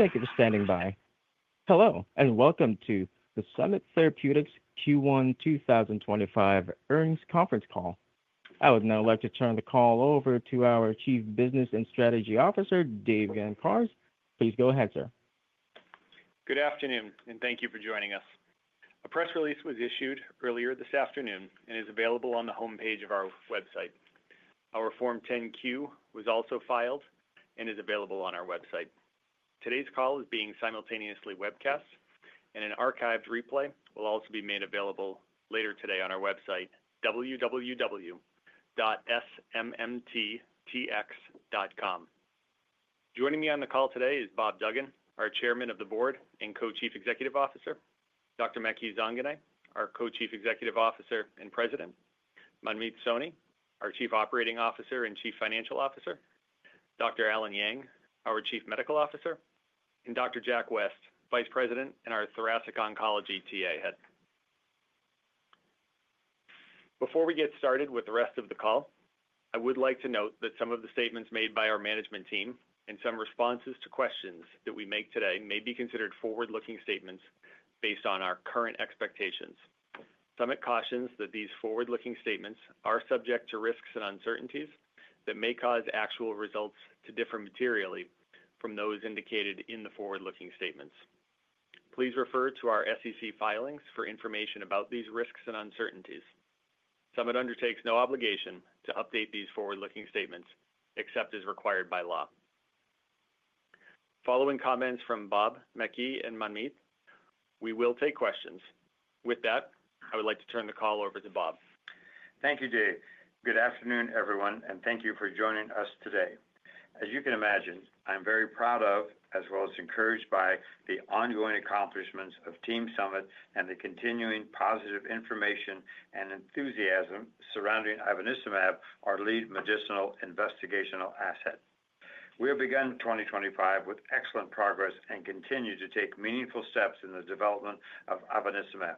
Thank you for standing by. Hello and welcome to the Summit Therapeutics Q1 2025 earnings conference call. I would now like to turn the call over to our Chief Business and Strategy Officer, Dave Gancarz. Please go ahead, sir. Good afternoon, and thank you for joining us. A press release was issued earlier this afternoon and is available on the homepage of our website. Our Form 10Q was also filed and is available on our website. Today's call is being simultaneously webcast, and an archived replay will also be made available later today on our website, www.smmtx.com. Joining me on the call today is Bob Duggan, our Chairman of the Board and Co-Chief Executive Officer, Dr. Maky Zanganeh, our Co-Chief Executive Officer and President, Manmeet Soni, our Chief Operating Officer and Chief Financial Officer, Dr. Allen Yang, our Chief Medical Officer, and Dr. Jack West, Vice President and our Thoracic Oncology TA Head. Before we get started with the rest of the call, I would like to note that some of the statements made by our management team and some responses to questions that we make today may be considered forward-looking statements based on our current expectations. Summit cautions that these forward-looking statements are subject to risks and uncertainties that may cause actual results to differ materially from those indicated in the forward-looking statements. Please refer to our SEC filings for information about these risks and uncertainties. Summit undertakes no obligation to update these forward-looking statements except as required by law. Following comments from Bob, Maky, and Manmeet, we will take questions. With that, I would like to turn the call over to Bob. Thank you, Dave. Good afternoon, everyone, and thank you for joining us today. As you can imagine, I'm very proud of, as well as encouraged by, the ongoing accomplishments of Team Summit and the continuing positive information and enthusiasm surrounding ivonescimab, our lead medicinal investigational asset. We have begun 2025 with excellent progress and continue to take meaningful steps in the development of ivonescimab.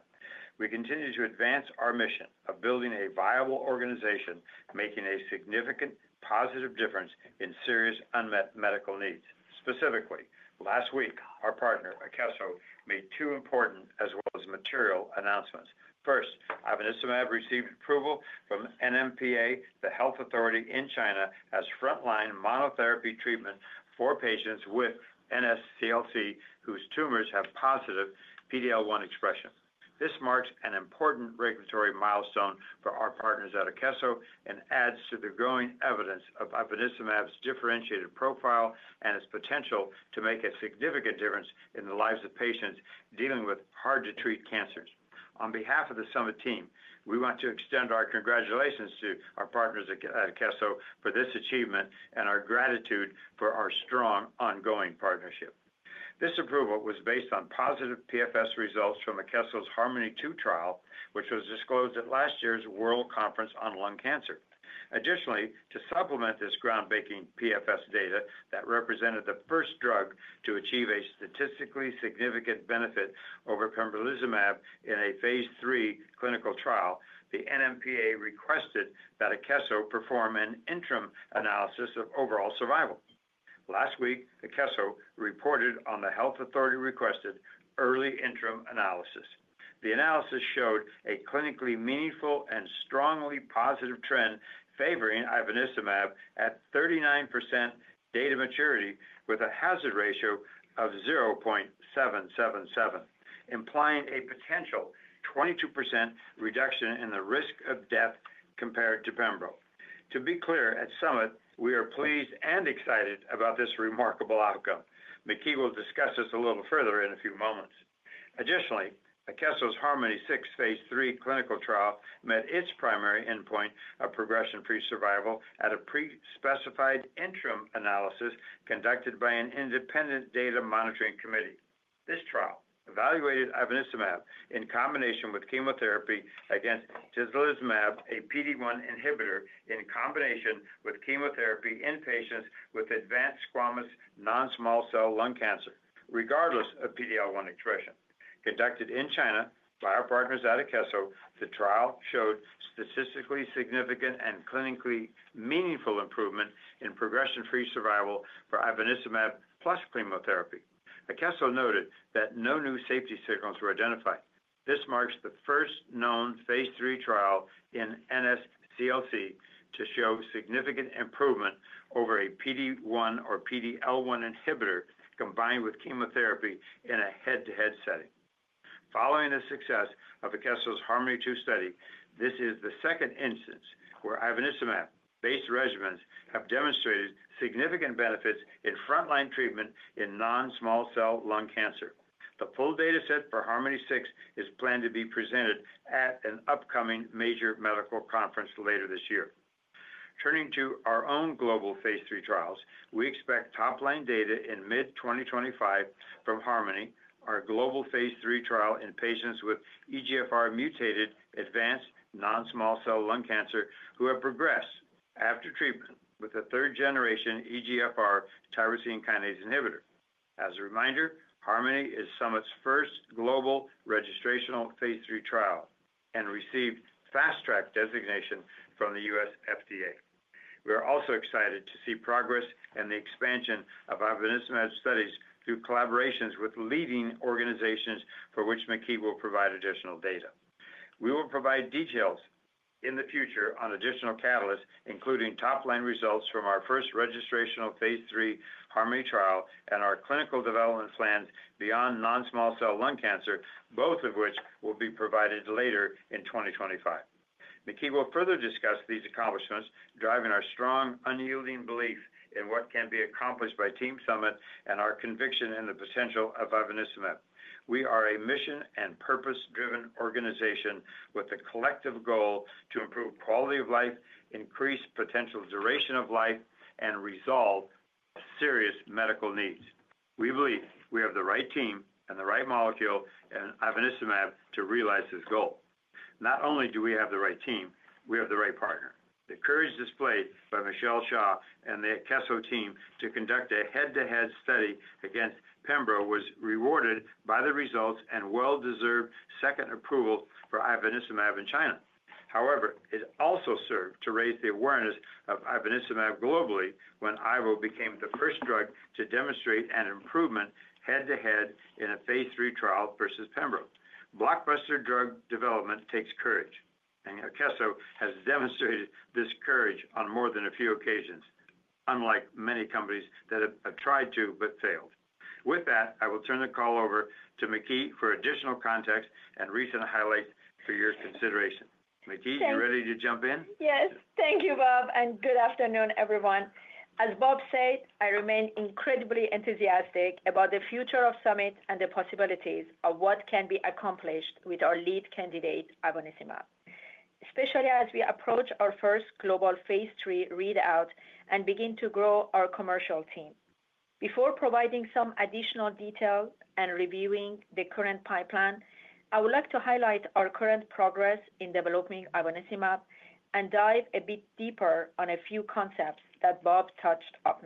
We continue to advance our mission of building a viable organization, making a significant positive difference in serious unmet medical needs. Specifically, last week, our partner, Akeso, made two important, as well as material, announcements. First, ivonescimab received approval from the NMPA, the health authority in China, as frontline monotherapy treatment for patients with NSCLC whose tumors have positive PD-L1 expression. This marks an important regulatory milestone for our partners at Akeso and adds to the growing evidence of ivonescimab's differentiated profile and its potential to make a significant difference in the lives of patients dealing with hard-to-treat cancers. On behalf of the Summit team, we want to extend our congratulations to our partners at Akeso for this achievement and our gratitude for our strong ongoing partnership. This approval was based on positive PFS results from Akeso's Harmony-II trial, which was disclosed at last year's World Conference on Lung Cancer. Additionally, to supplement this groundbreaking PFS data that represented the first drug to achieve a statistically significant benefit over pembrolizumab in a phase III clinical trial, the NMPA requested that Akeso perform an interim analysis of overall survival. Last week, Akeso reported on the health authority-requested early interim analysis. The analysis showed a clinically meaningful and strongly positive trend favoring ivonescimab at 39% data maturity with a hazard ratio of 0.777, implying a potential 22% reduction in the risk of death compared to pembro. To be clear, at Summit, we are pleased and excited about this remarkable outcome. Maky will discuss this a little further in a few moments. Additionally, Akeso's Harmony-VI phase III clinical trial met its primary endpoint of progression-free survival at a pre-specified interim analysis conducted by an independent data monitoring committee. This trial evaluated ivonescimab in combination with chemotherapy against atezolizumab, a PD-1 inhibitor, in combination with chemotherapy in patients with advanced squamous non-small cell lung cancer, regardless of PD-L1 expression. Conducted in China by our partners at Akeso, the trial showed statistically significant and clinically meaningful improvement in progression-free survival for ivonescimab plus chemotherapy. Akeso noted that no new safety signals were identified. This marks the first known phase III trial in NSCLC to show significant improvement over a PD-1 or PD-L1 inhibitor combined with chemotherapy in a head-to-head setting. Following the success of Akeso's Harmony-II study, this is the second instance where ivonescimab-based regimens have demonstrated significant benefits in frontline treatment in non-small cell lung cancer. The full dataset for Harmony-VI is planned to be presented at an upcoming major medical conference later this year. Turning to our own global phase III trials, we expect top-line data in mid-2025 from Harmony, our global phase III trial in patients with EGFR-mutated advanced non-small cell lung cancer who have progressed after treatment with a third-generation EGFR tyrosine kinase inhibitor. As a reminder, Harmony is Summit's first global registrational phase III trial and received Fast Track designation from the US FDA. We are also excited to see progress and the expansion of ivonescimab studies through collaborations with leading organizations for which Maky will provide additional data. We will provide details in the future on additional catalysts, including top-line results from our first registrational phase III Harmony trial and our clinical development plans beyond non-small cell lung cancer, both of which will be provided later in 2025. Maky will further discuss these accomplishments, driving our strong, unyielding belief in what can be accomplished by Team Summit and our conviction in the potential of ivonescimab. We are a mission and purpose-driven organization with the collective goal to improve quality of life, increase potential duration of life, and resolve serious medical needs. We believe we have the right team and the right molecule in ivonescimab to realize this goal. Not only do we have the right team, we have the right partner. The courage displayed by Michelle Xia and the Akeso team to conduct a head-to-head study against pembro was rewarded by the results and well-deserved second approval for ivonescimab in China. However, it also served to raise the awareness of ivonescimab globally when IVO became the first drug to demonstrate an improvement head-to-head in a phase III trial versus pembro. Blockbuster drug development takes courage, and Akeso has demonstrated this courage on more than a few occasions, unlike many companies that have tried to but failed. With that, I will turn the call over to Maky for additional context and recent highlights for your consideration. Maky, you ready to jump in? Yes. Thank you, Bob, and good afternoon, everyone. As Bob said, I remain incredibly enthusiastic about the future of Summit and the possibilities of what can be accomplished with our lead candidate, ivonescimab, especially as we approach our first global phase III readout and begin to grow our commercial team. Before providing some additional detail and reviewing the current pipeline, I would like to highlight our current progress in developing ivonescimab and dive a bit deeper on a few concepts that Bob touched on.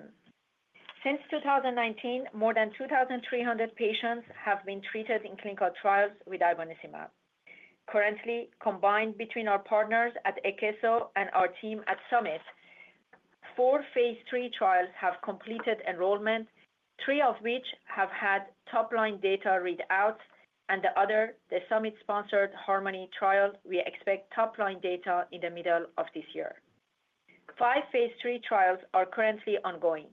Since 2019, more than 2,300 patients have been treated in clinical trials with ivonescimab. Currently, combined between our partners at Akeso and our team at Summit, four phase III trials have completed enrollment, three of which have had top-line data readouts, and the other, the Summit-sponsored Harmony trial, we expect top-line data in the middle of this year. Five phase III trials are currently ongoing.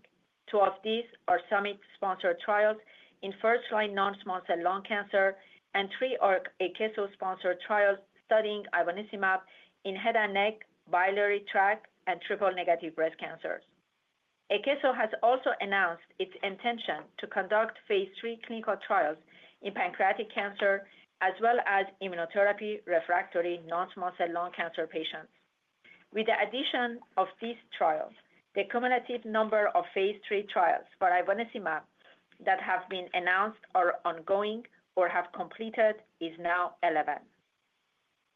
Two of these are Summit-sponsored trials in first-line non-small cell lung cancer, and three are Akeso-sponsored trials studying ivonescimab in head and neck, biliary tract, and triple-negative breast cancers. Akeso has also announced its intention to conduct phase III clinical trials in pancreatic cancer, as well as immunotherapy refractory non-small cell lung cancer patients. With the addition of these trials, the cumulative number of phase III trials for ivonescimab that have been announced, are ongoing, or have completed is now 11.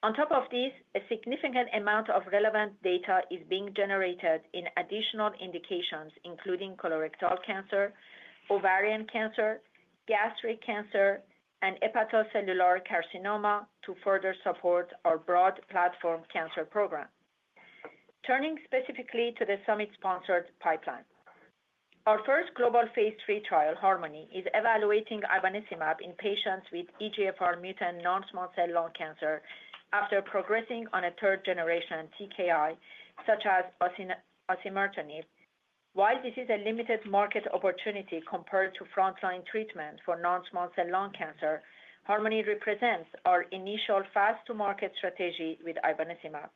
On top of this, a significant amount of relevant data is being generated in additional indications, including colorectal cancer, ovarian cancer, gastric cancer, and hepatocellular carcinoma, to further support our broad platform cancer program. Turning specifically to the Summit-sponsored pipeline, our first global phase III trial, Harmony, is evaluating ivonescimab in patients with EGFR-mutant non-small cell lung cancer after progressing on a third-generation TKI, such as osimertinib. While this is a limited market opportunity compared to frontline treatment for non-small cell lung cancer, Harmony represents our initial fast-to-market strategy with ivonescimab.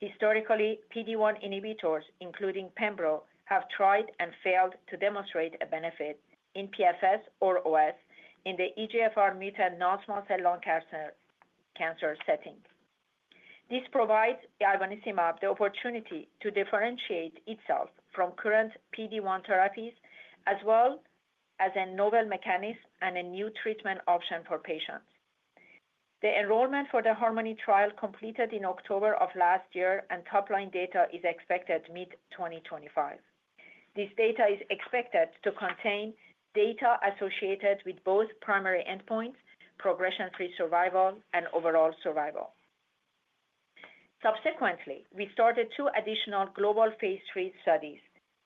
Historically, PD-1 inhibitors, including pembro, have tried and failed to demonstrate a benefit in PFS or OS in the EGFR-mutant non-small cell lung cancer setting. This provides ivonescimab the opportunity to differentiate itself from current PD-1 therapies, as well as a novel mechanism and a new treatment option for patients. The enrollment for the Harmony trial completed in October of last year, and top-line data is expected mid-2025. This data is expected to contain data associated with both primary endpoints, progression-free survival, and overall survival. Subsequently, we started two additional global phase III studies,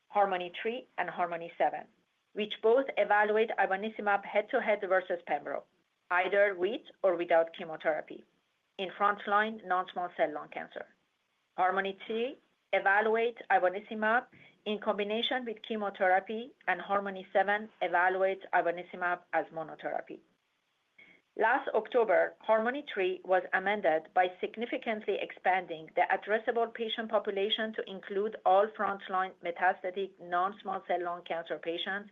Harmony-III and Harmony-VII, which both evaluate ivonescimab head-to-head versus pembro, either with or without chemotherapy, in frontline non-small cell lung cancer. Harmony-III evaluates ivonescimab in combination with chemotherapy, and Harmony-VII evaluates ivonescimab as monotherapy. Last October, Harmony-III was amended by significantly expanding the addressable patient population to include all front-line metastatic non-small cell lung cancer patients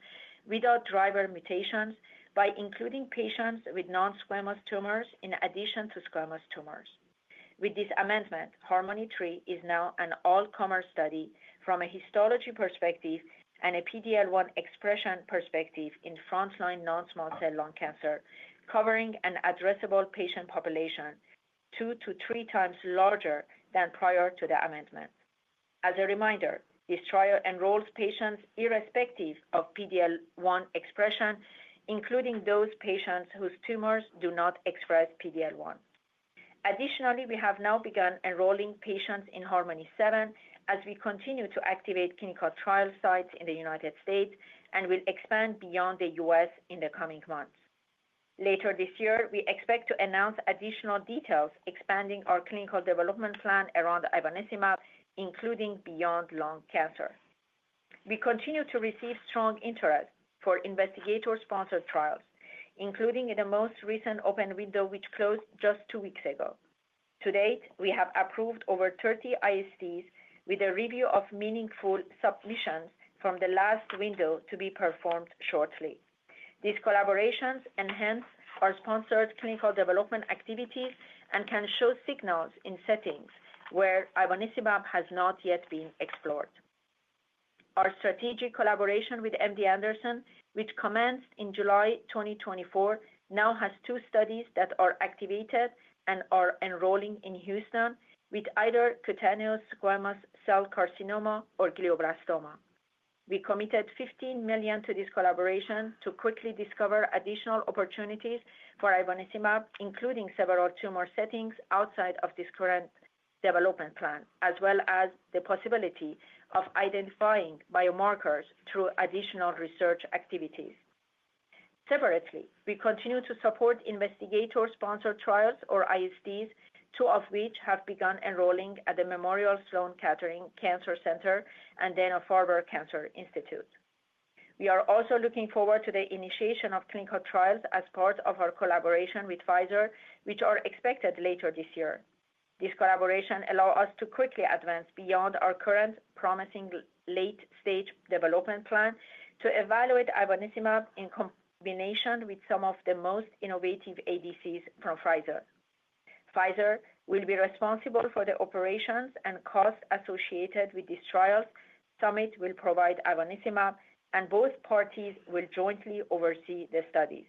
without driver mutations by including patients with non-squamous tumors in addition to squamous tumors. With this amendment, Harmony-III is now an all-comers study from a histology perspective and a PD-L1 expression perspective in front-line non-small cell lung cancer, covering an addressable patient population two to three times larger than prior to the amendment. As a reminder, this trial enrolls patients irrespective of PD-L1 expression, including those patients whose tumors do not express PD-L1. Additionally, we have now begun enrolling patients in Harmony-VII as we continue to activate clinical trial sites in the United States and will expand beyond the US in the coming months. Later this year, we expect to announce additional details expanding our clinical development plan around ivonescimab, including beyond lung cancer. We continue to receive strong interest for investigator-sponsored trials, including the most recent open window, which closed just two weeks ago. To date, we have approved over 30 ISTs with a review of meaningful submissions from the last window to be performed shortly. These collaborations enhance our sponsored clinical development activities and can show signals in settings where ivonescimab has not yet been explored. Our strategic collaboration with MD Anderson, which commenced in July 2024, now has two studies that are activated and are enrolling in Houston with either cutaneous squamous cell carcinoma or glioblastoma. We committed $15 million to this collaboration to quickly discover additional opportunities for ivonescimab, including several tumor settings outside of this current development plan, as well as the possibility of identifying biomarkers through additional research activities. Separately, we continue to support investigator-sponsored trials or ISTs, two of which have begun enrolling at the Memorial Sloan Kettering Cancer Center and Dana-Farber Cancer Institute. We are also looking forward to the initiation of clinical trials as part of our collaboration with Pfizer, which are expected later this year. This collaboration allows us to quickly advance beyond our current promising late-stage development plan to evaluate ivonescimab in combination with some of the most innovative ADCs from Pfizer. Pfizer will be responsible for the operations and costs associated with these trials. Summit will provide ivonescimab, and both parties will jointly oversee the studies.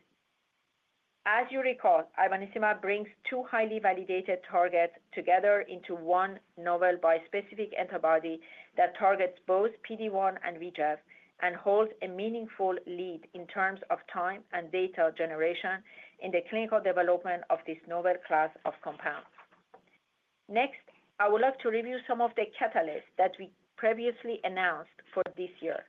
As you recall, ivonescimab brings two highly validated targets together into one novel bispecific antibody that targets both PD-1 and VEGF and holds a meaningful lead in terms of time and data generation in the clinical development of this novel class of compounds. Next, I would like to review some of the catalysts that we previously announced for this year.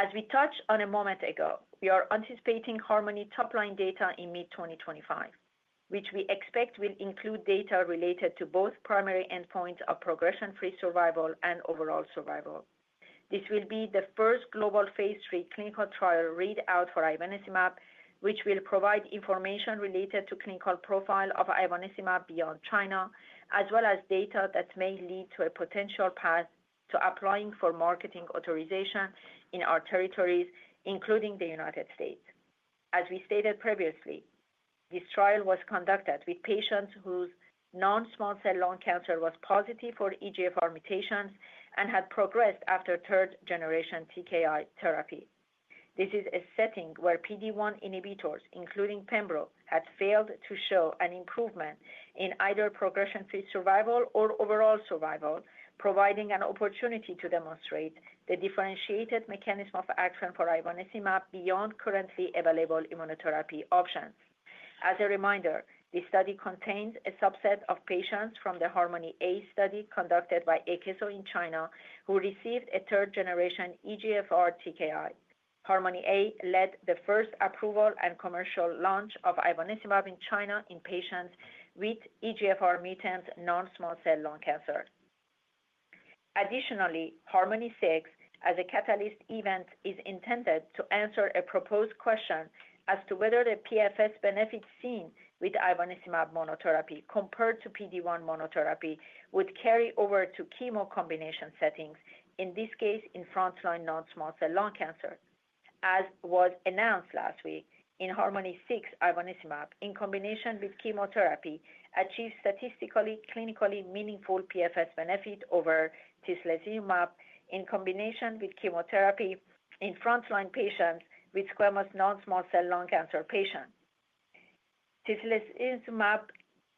As we touched on a moment ago, we are anticipating Harmony top-line data in mid-2025, which we expect will include data related to both primary endpoints of progression-free survival and overall survival. This will be the first global phase III clinical trial readout for ivonescimab, which will provide information related to the clinical profile of ivonescimab beyond China, as well as data that may lead to a potential path to applying for marketing authorization in our territories, including the United States. As we stated previously, this trial was conducted with patients whose non-small cell lung cancer was positive for EGFR mutations and had progressed after third-generation TKI therapy. This is a setting where PD-1 inhibitors, including pembro, had failed to show an improvement in either progression-free survival or overall survival, providing an opportunity to demonstrate the differentiated mechanism of action for ivonescimab beyond currently available immunotherapy options. As a reminder, this study contains a subset of patients from the Harmony-A study conducted by Akeso in China, who received a third-generation EGFR TKI. Harmony-A led the first approval and commercial launch of ivonescimab in China in patients with EGFR-mutant non-small cell lung cancer. Additionally, Harmony-VI, as a catalyst event, is intended to answer a proposed question as to whether the PFS benefits seen with ivonescimab monotherapy compared to PD-1 monotherapy would carry over to chemo combination settings, in this case, in front-line non-small cell lung cancer. As was announced last week, in Harmony-VI, ivonescimab, in combination with chemotherapy, achieves statistically clinically meaningful PFS benefit over tislelizumab in combination with chemotherapy in front-line patients with squamous non-small cell lung cancer patients. Tislelizumab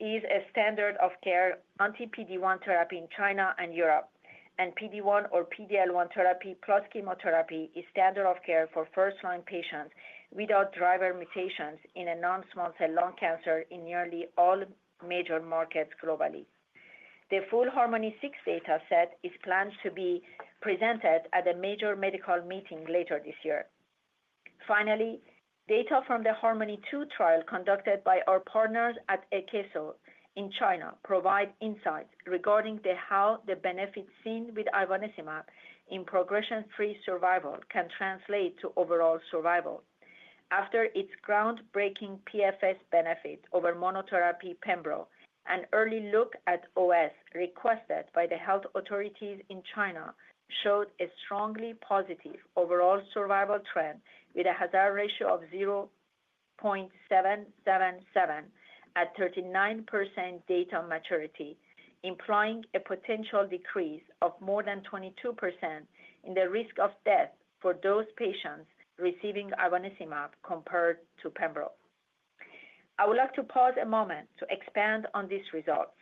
is a standard of care anti-PD-1 therapy in China and Europe, and PD-1 or PD-L1 therapy plus chemotherapy is standard of care for first-line patients without driver mutations in non-small cell lung cancer in nearly all major markets globally. The full Harmony-VI data set is planned to be presented at a major medical meeting later this year. Finally, data from the Harmony-II trial conducted by our partners at Akeso in China provide insights regarding how the benefits seen with ivonescimab in progression-free survival can translate to overall survival. After its groundbreaking PFS benefit over monotherapy pembro, an early look at OS requested by the health authorities in China showed a strongly positive overall survival trend with a hazard ratio of 0.777 at 39% data maturity, implying a potential decrease of more than 22% in the risk of death for those patients receiving ivonescimab compared to pembro. I would like to pause a moment to expand on these results.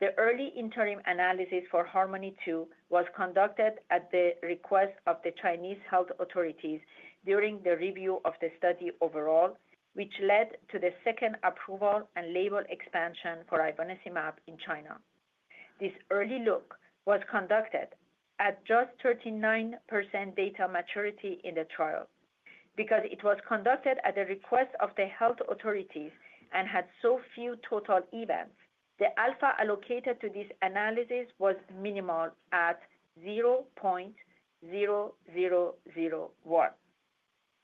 The early interim analysis for Harmony-II was conducted at the request of the Chinese health authorities during the review of the study overall, which led to the second approval and label expansion for ivonescimab in China. This early look was conducted at just 39% data maturity in the trial. Because it was conducted at the request of the health authorities and had so few total events, the alpha allocated to this analysis was minimal at 0.0001.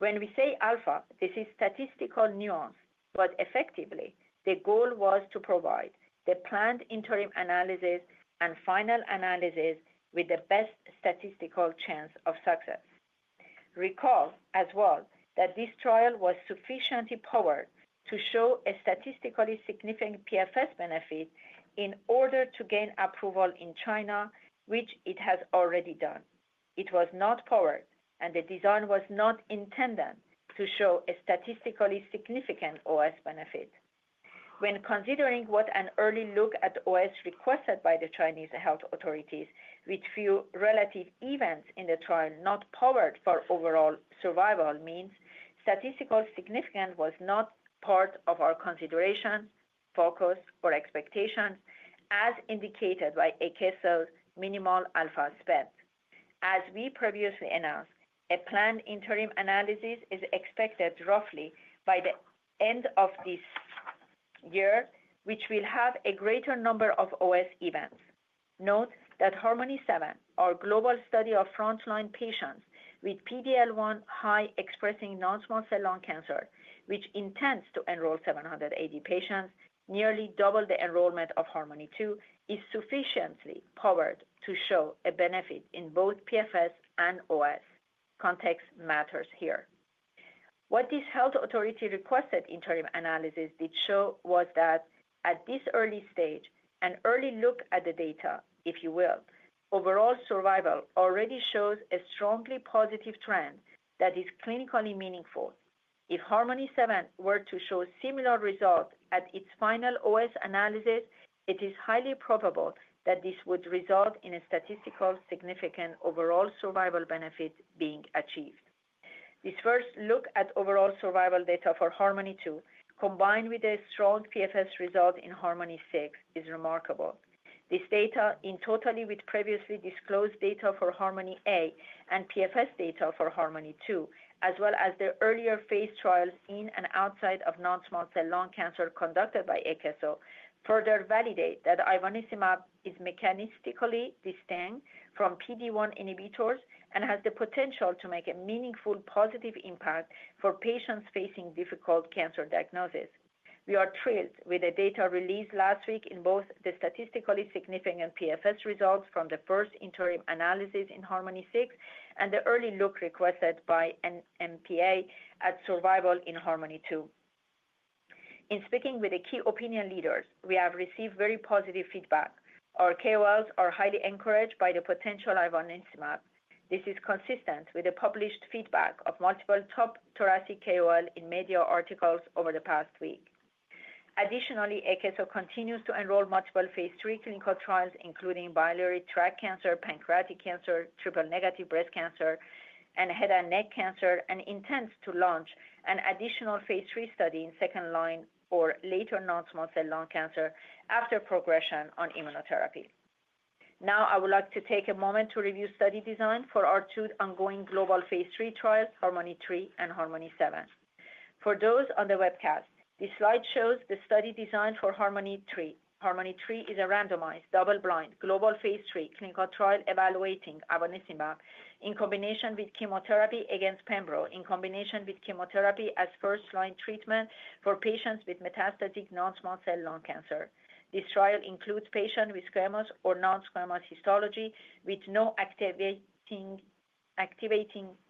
When we say alpha, this is statistical nuance, but effectively, the goal was to provide the planned interim analysis and final analysis with the best statistical chance of success. Recall as well that this trial was sufficiently powered to show a statistically significant PFS benefit in order to gain approval in China, which it has already done. It was not powered, and the design was not intended to show a statistically significant OS benefit. When considering what an early look at OS requested by the Chinese health authorities, which few relative events in the trial not powered for overall survival means, statistical significance was not part of our consideration, focus, or expectations, as indicated by Akeso's minimal alpha spent. As we previously announced, a planned interim analysis is expected roughly by the end of this year, which will have a greater number of OS events. Note that Harmony-VII, our global study of front-line patients with PD-L1 high-expressing non-small cell lung cancer, which intends to enroll 780 patients, nearly double the enrollment of Harmony-II, is sufficiently powered to show a benefit in both PFS and OS. Context matters here. What this health authority requested interim analysis did show was that at this early stage, an early look at the data, if you will, overall survival already shows a strongly positive trend that is clinically meaningful. If Harmony-VII were to show similar results at its final OS analysis, it is highly probable that this would result in a statistical significant overall survival benefit being achieved. This first look at overall survival data for Harmony-II, combined with a strong PFS result in Harmony-VI, is remarkable. This data, in totality with previously disclosed data for Harmony-A and PFS data for Harmony-II, as well as the earlier phase trials in and outside of non-small cell lung cancer conducted by Akeso, further validate that ivonescimab is mechanistically distinct from PD-1 inhibitors and has the potential to make a meaningful positive impact for patients facing difficult cancer diagnoses. We are thrilled with the data released last week in both the statistically significant PFS results from the first interim analysis in Harmony-VI and the early look requested by NMPA at survival in Harmony-II. In speaking with the key opinion leaders, we have received very positive feedback. Our KOLs are highly encouraged by the potential ivonescimab. This is consistent with the published feedback of multiple top thoracic KOL in media articles over the past week. Additionally, Akeso continues to enroll multiple phase III clinical trials, including biliary tract cancer, pancreatic cancer, triple-negative breast cancer, and head and neck cancer, and intends to launch an additional phase III study in second-line or later non-small cell lung cancer after progression on immunotherapy. Now, I would like to take a moment to review study design for our two ongoing global phase III trials, Harmony-III and Harmony-VII. For those on the webcast, this slide shows the study design for Harmony-III. Harmony-III is a randomized, double-blind, global phase III clinical trial evaluating ivonescimab in combination with chemotherapy against pembrolizumab in combination with chemotherapy as first-line treatment for patients with metastatic non-small cell lung cancer. This trial includes patients with squamous or non-squamous histology with no activating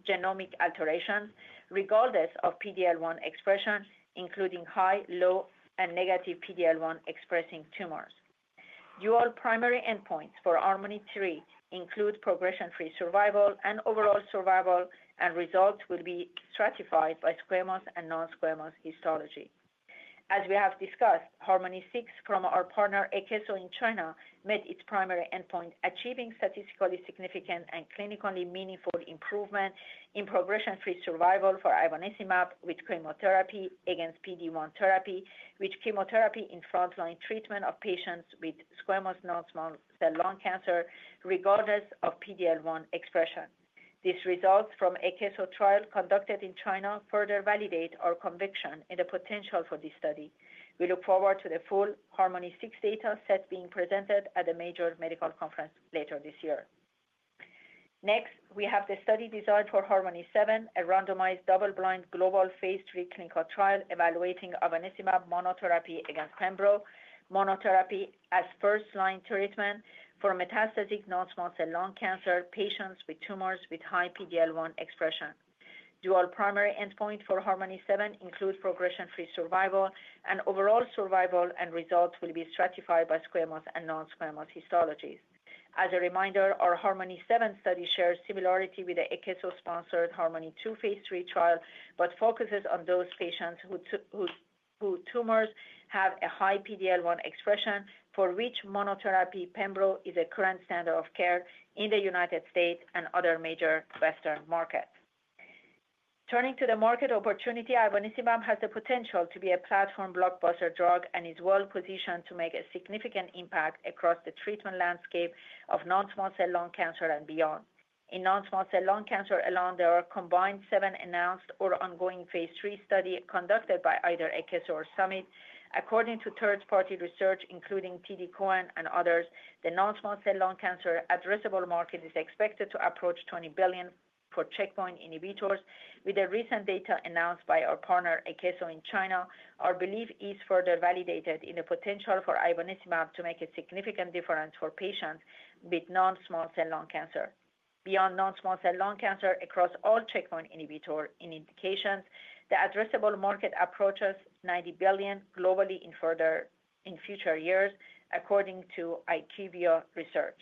genomic alterations, regardless of PD-L1 expression, including high, low, and negative PD-L1 expressing tumors. Dual primary endpoints for Harmony-III include progression-free survival and overall survival, and results will be stratified by squamous and non-squamous histology. As we have discussed, Harmony-VI, our partner Akeso in China, met its primary endpoint, achieving statistically significant and clinically meaningful improvement in progression-free survival for ivonescimab with chemotherapy against PD-1 therapy, with chemotherapy in front-line treatment of patients with squamous non-small cell lung cancer, regardless of PD-L1 expression. These results from the Akeso trial conducted in China further validate our conviction in the potential for this study. We look forward to the full Harmony-VI data set being presented at the major medical conference later this year. Next, we have the study design for Harmony-VII, a randomized double-blind global phase III clinical trial evaluating ivonescimab monotherapy against pembro monotherapy as first-line treatment for metastatic non-small cell lung cancer patients with tumors with high PD-L1 expression. Dual primary endpoint for Harmony-VII includes progression-free survival and overall survival, and results will be stratified by squamous and non-squamous histologies. As a reminder, our Harmony-VII study shares similarity with the Akeso-sponsored Harmony-II phase III trial, but focuses on those patients whose tumors have a high PD-L1 expression, for which monotherapy pembro is a current standard of care in the United States and other major Western markets. Turning to the market opportunity, ivonescimab has the potential to be a platform blockbuster drug and is well-positioned to make a significant impact across the treatment landscape of non-small cell lung cancer and beyond. In non-small cell lung cancer alone, there are combined seven announced or ongoing phase III studies conducted by either Akeso or Summit. According to third-party research, including TD Cowen and others, the non-small cell lung cancer addressable market is expected to approach $20 billion for checkpoint inhibitors. With the recent data announced by our partner Akeso in China, our belief is further validated in the potential for ivonescimab to make a significant difference for patients with non-small cell lung cancer. Beyond non-small cell lung cancer, across all checkpoint inhibitor indications, the addressable market approaches $90 billion globally in future years, according to IQVIA Research.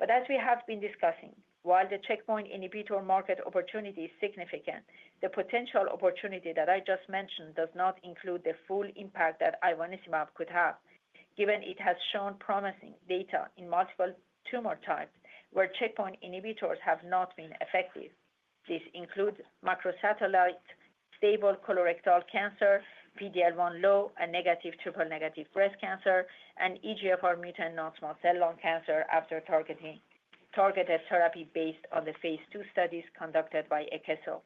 As we have been discussing, while the checkpoint inhibitor market opportunity is significant, the potential opportunity that I just mentioned does not include the full impact that ivonescimab could have, given it has shown promising data in multiple tumor types where checkpoint inhibitors have not been effective. This includes microsatellite stable colorectal cancer, PD-L1 low and negative triple-negative breast cancer, and EGFR-mutant non-small cell lung cancer after targeted therapy based on the phase II studies conducted by Akeso.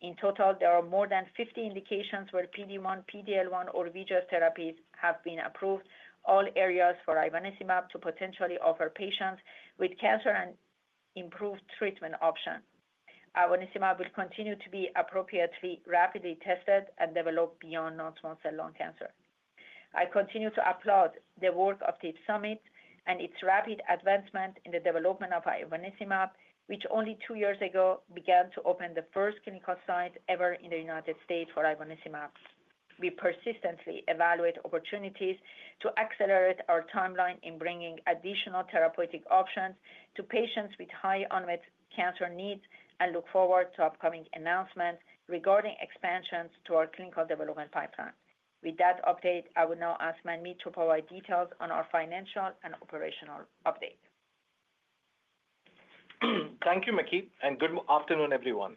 In total, there are more than 50 indications where PD-1, PD-L1, or VEGF therapies have been approved, all areas for ivonescimab to potentially offer patients with cancer an improved treatment option. Ivonescimab will continue to be appropriately rapidly tested and developed beyond non-small cell lung cancer. I continue to applaud the work of Summit and its rapid advancement in the development of ivonescimab, which only two years ago began to open the first clinical site ever in the United States for ivonescimab. We persistently evaluate opportunities to accelerate our timeline in bringing additional therapeutic options to patients with high unmet cancer needs and look forward to upcoming announcements regarding expansions to our clinical development pipeline. With that update, I would now ask Manmeet to provide details on our financial and operational update. Thank you, Maky, and good afternoon, everyone.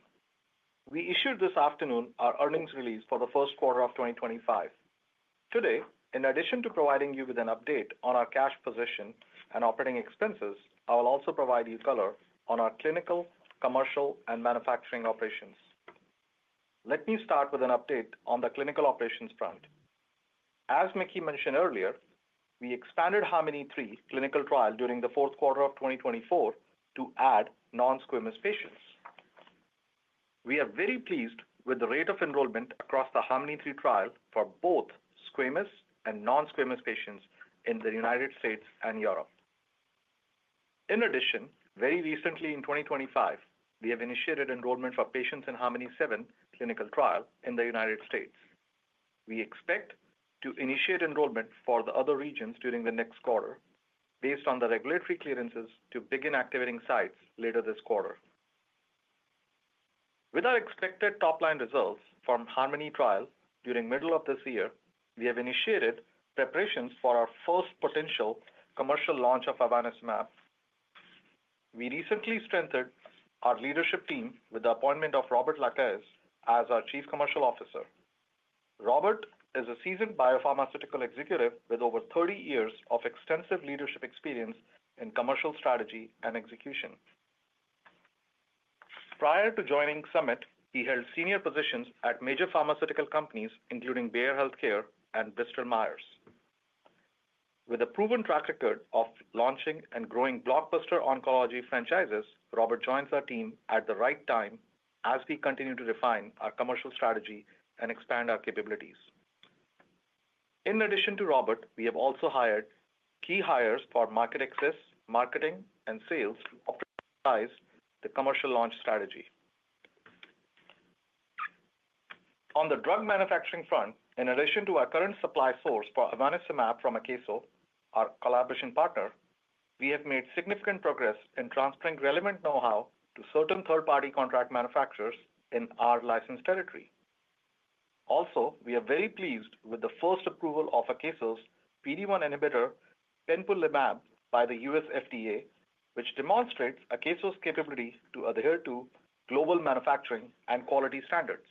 We issued this afternoon our earnings release for theQ1 of 2025. Today, in addition to providing you with an update on our cash position and operating expenses, I will also provide you color on our clinical, commercial, and manufacturing operations. Let me start with an update on the clinical operations front. As Maky mentioned earlier, we expanded Harmony-III clinical trial during the Q4 of 2024 to add non-squamous patients. We are very pleased with the rate of enrollment across the Harmony-III trial for both squamous and non-squamous patients in the United States and Europe. In addition, very recently in 2025, we have initiated enrollment for patients in Harmony-VII clinical trial in the United States. We expect to initiate enrollment for the other regions during the next quarter, based on the regulatory clearances to begin activating sites later this quarter. With our expected top-line results from Harmony trial during the middle of this year, we have initiated preparations for our first potential commercial launch of ivonescimab. We recently strengthened our leadership team with the appointment of Robert Lacaze as our Chief Commercial Officer. Robert is a seasoned biopharmaceutical executive with over 30 years of extensive leadership experience in commercial strategy and execution. Prior to joining Summit, he held senior positions at major pharmaceutical companies, including Bayer Healthcare and Bristol Myers Squibb. With a proven track record of launching and growing blockbuster oncology franchises, Robert joins our team at the right time as we continue to refine our commercial strategy and expand our capabilities. In addition to Robert, we have also hired key hires for market access, marketing, and sales to optimize the commercial launch strategy. On the drug manufacturing front, in addition to our current supply source for ivonescimab from Akeso, our collaboration partner, we have made significant progress in transferring relevant know-how to certain third-party contract manufacturers in our licensed territory. Also, we are very pleased with the first approval of Akeso's PD-1 inhibitor, Penpulimab, by the US FDA, which demonstrates Akeso's capability to adhere to global manufacturing and quality standards.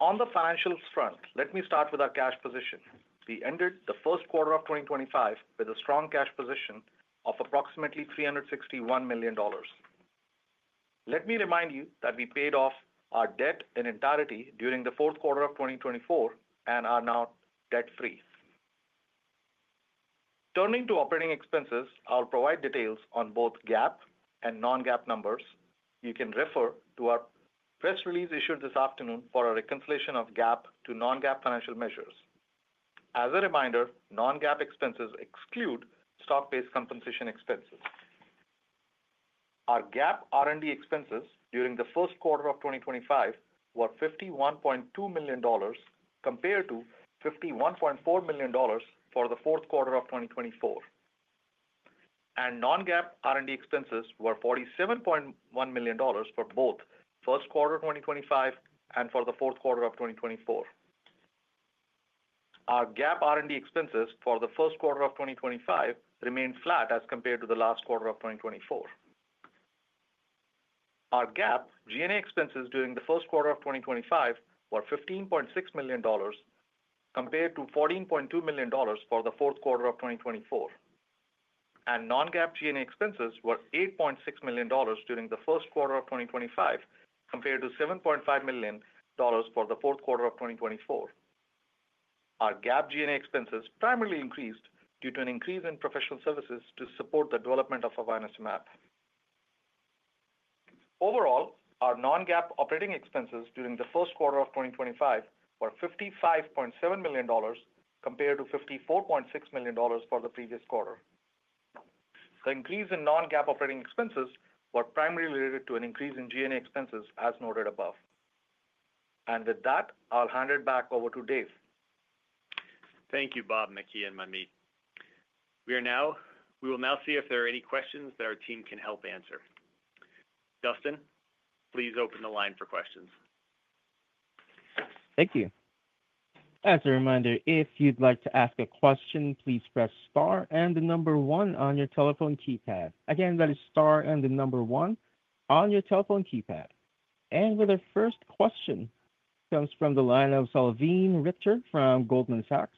On the financials front, let me start with our cash position. We ended the Q1 of 2025 with a strong cash position of approximately $361 million. Let me remind you that we paid off our debt in entirety during the Q4 of 2024 and are now debt-free. Turning to operating expenses, I'll provide details on both GAAP and non-GAAP numbers. You can refer to our press release issued this afternoon for a reconciliation of GAAP to non-GAAP financial measures. As a reminder, non-GAAP expenses exclude stock-based compensation expenses. Our GAAP R&D expenses during theQ1 of 2025 were $51.2 million compared to $51.4 million for the Q4 of 2024. Non-GAAP R&D expenses were $47.1 million for both theQ1 of 2025 and for the Q4 of 2024. Our GAAP R&D expenses for theQ1 of 2025 remained flat as compared to the last quarter of 2024. Our GAAP G&A expenses during the Q1 of 2025 were $15.6 million compared to $14.2 million for the Q4 of 2024. Non-GAAP G&A expenses were $8.6 million during theQ1 of 2025 compared to $7.5 million for the Q4 of 2024. Our GAAP G&A expenses primarily increased due to an increase in professional services to support the development of ivonescimab. Overall, our non-GAAP operating expenses during the Q1 of 2025 were $55.7 million compared to $54.6 million for the previous quarter. The increase in non-GAAP operating expenses was primarily related to an increase in G&A expenses, as noted above. With that, I'll hand it back over to Dave. Thank you, Bob, Maky, and Manmeet. We will now see if there are any questions that our team can help answer. Dustin, please open the line for questions. Thank you. As a reminder, if you'd like to ask a question, please press star and the number one on your telephone keypad. Again, that is star and the number one on your telephone keypad. With our first question, it comes from the line of Salveen Richter from Goldman Sachs.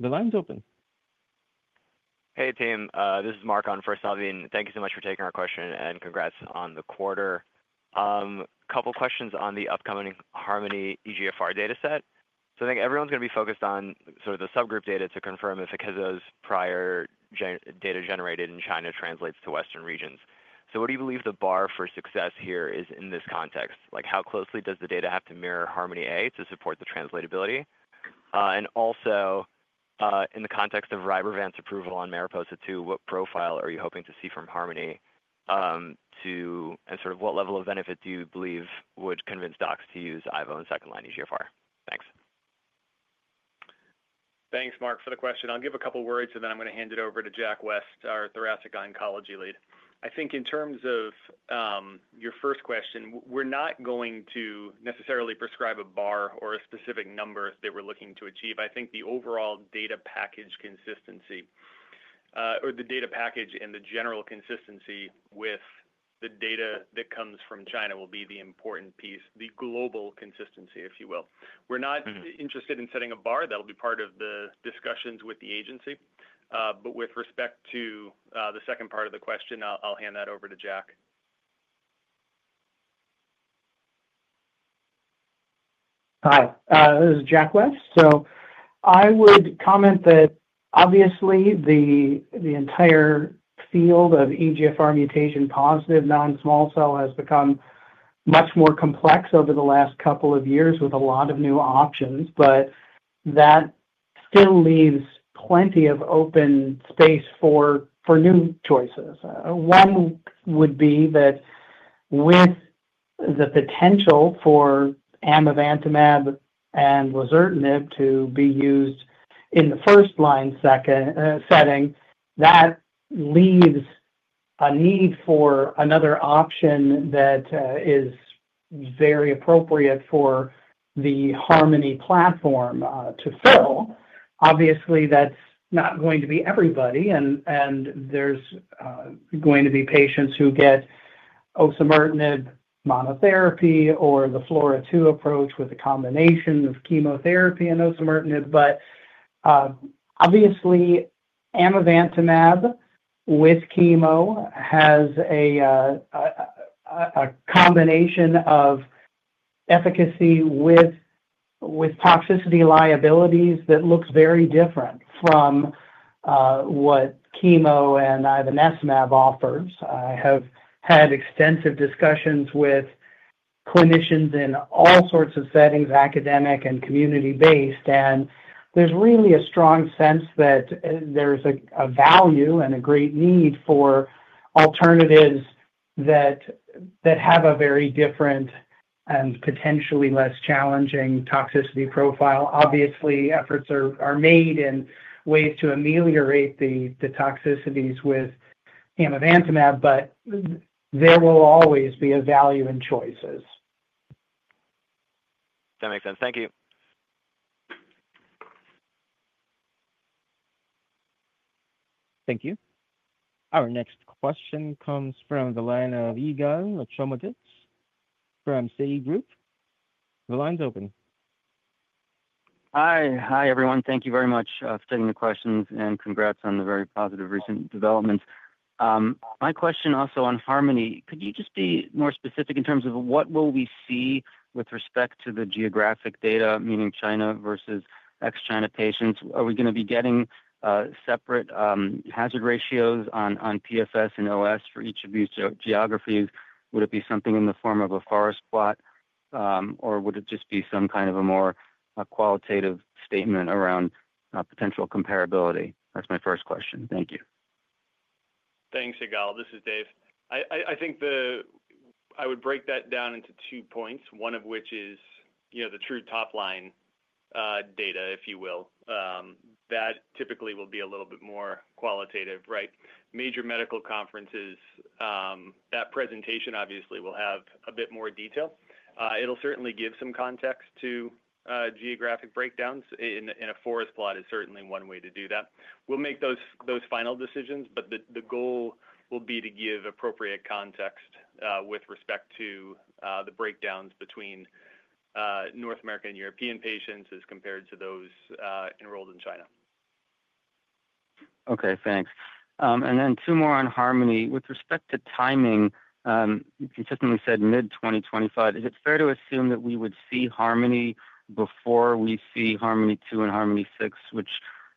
The line's open. Hey, team. This is Mark on for Salveen. Thank you so much for taking our question and congrats on the quarter. A couple of questions on the upcoming Harmony EGFR data set. I think everyone's going to be focused on sort of the subgroup data to confirm if Akeso's prior data generated in China translates to Western regions. What do you believe the bar for success here is in this context? Like, how closely does the data have to mirror Harmony A to support the translatability? Also, in the context of RYBREVANT's approval on Mariposa II, what profile are you hoping to see from Harmony? Sort of what level of benefit do you believe would convince docs to use IVO in second-line EGFR? Thanks. Thanks, Mark, for the question. I'll give a couple of words, and then I'm going to hand it over to Jack West, our thoracic oncology lead. I think in terms of your first question, we're not going to necessarily prescribe a bar or a specific number that we're looking to achieve. I think the overall data package consistency, or the data package and the general consistency with the data that comes from China will be the important piece, the global consistency, if you will. We're not interested in setting a bar that'll be part of the discussions with the agency. With respect to the second part of the question, I'll hand that over to Jack. Hi. This is Jack West. I would comment that, obviously, the entire field of EGFR mutation-positive non-small cell has become much more complex over the last couple of years with a lot of new options. That still leaves plenty of open space for new choices. One would be that with the potential for Amivantamab and Lazertinib to be used in the first-line setting, that leaves a need for another option that is very appropriate for the Harmony platform to fill. Obviously, that's not going to be everybody. There's going to be patients who get osimertinib monotherapy or the FLORA-2 approach with a combination of chemotherapy and osimertinib. Obviously, Amivantamab with chemo has a combination of efficacy with toxicity liabilities that looks very different from what chemo and ivonescimab offers. I have had extensive discussions with clinicians in all sorts of settings, academic and community-based. There's really a strong sense that there's a value and a great need for alternatives that have a very different and potentially less challenging toxicity profile. Obviously, efforts are made in ways to ameliorate the toxicities with Amivantamab, but there will always be a value in choices. That makes sense. Thank you. Thank you. Our next question comes from the line of Yigal Nochomovitz from SAGE Group. The line's open. Hi. Hi, everyone. Thank you very much for taking the questions and congrats on the very positive recent developments. My question also on Harmony, could you just be more specific in terms of what will we see with respect to the geographic data, meaning China versus ex-China patients? Are we going to be getting separate hazard ratios on PFS and OS for each of these geographies? Would it be something in the form of a forest plot, or would it just be some kind of a more qualitative statement around potential comparability? That's my first question. Thank you. Thanks, Yigal. This is Dave. I think I would break that down into two points, one of which is the true top-line data, if you will. That typically will be a little bit more qualitative, right? Major medical conferences, that presentation obviously will have a bit more detail. It'll certainly give some context to geographic breakdowns. A forest plot is certainly one way to do that. We'll make those final decisions, but the goal will be to give appropriate context with respect to the breakdowns between North American and European patients as compared to those enrolled in China. Okay. Thanks. Two more on Harmony. With respect to timing, you consistently said mid-2025. Is it fair to assume that we would see Harmony before we see Harmony II and Harmony VI, which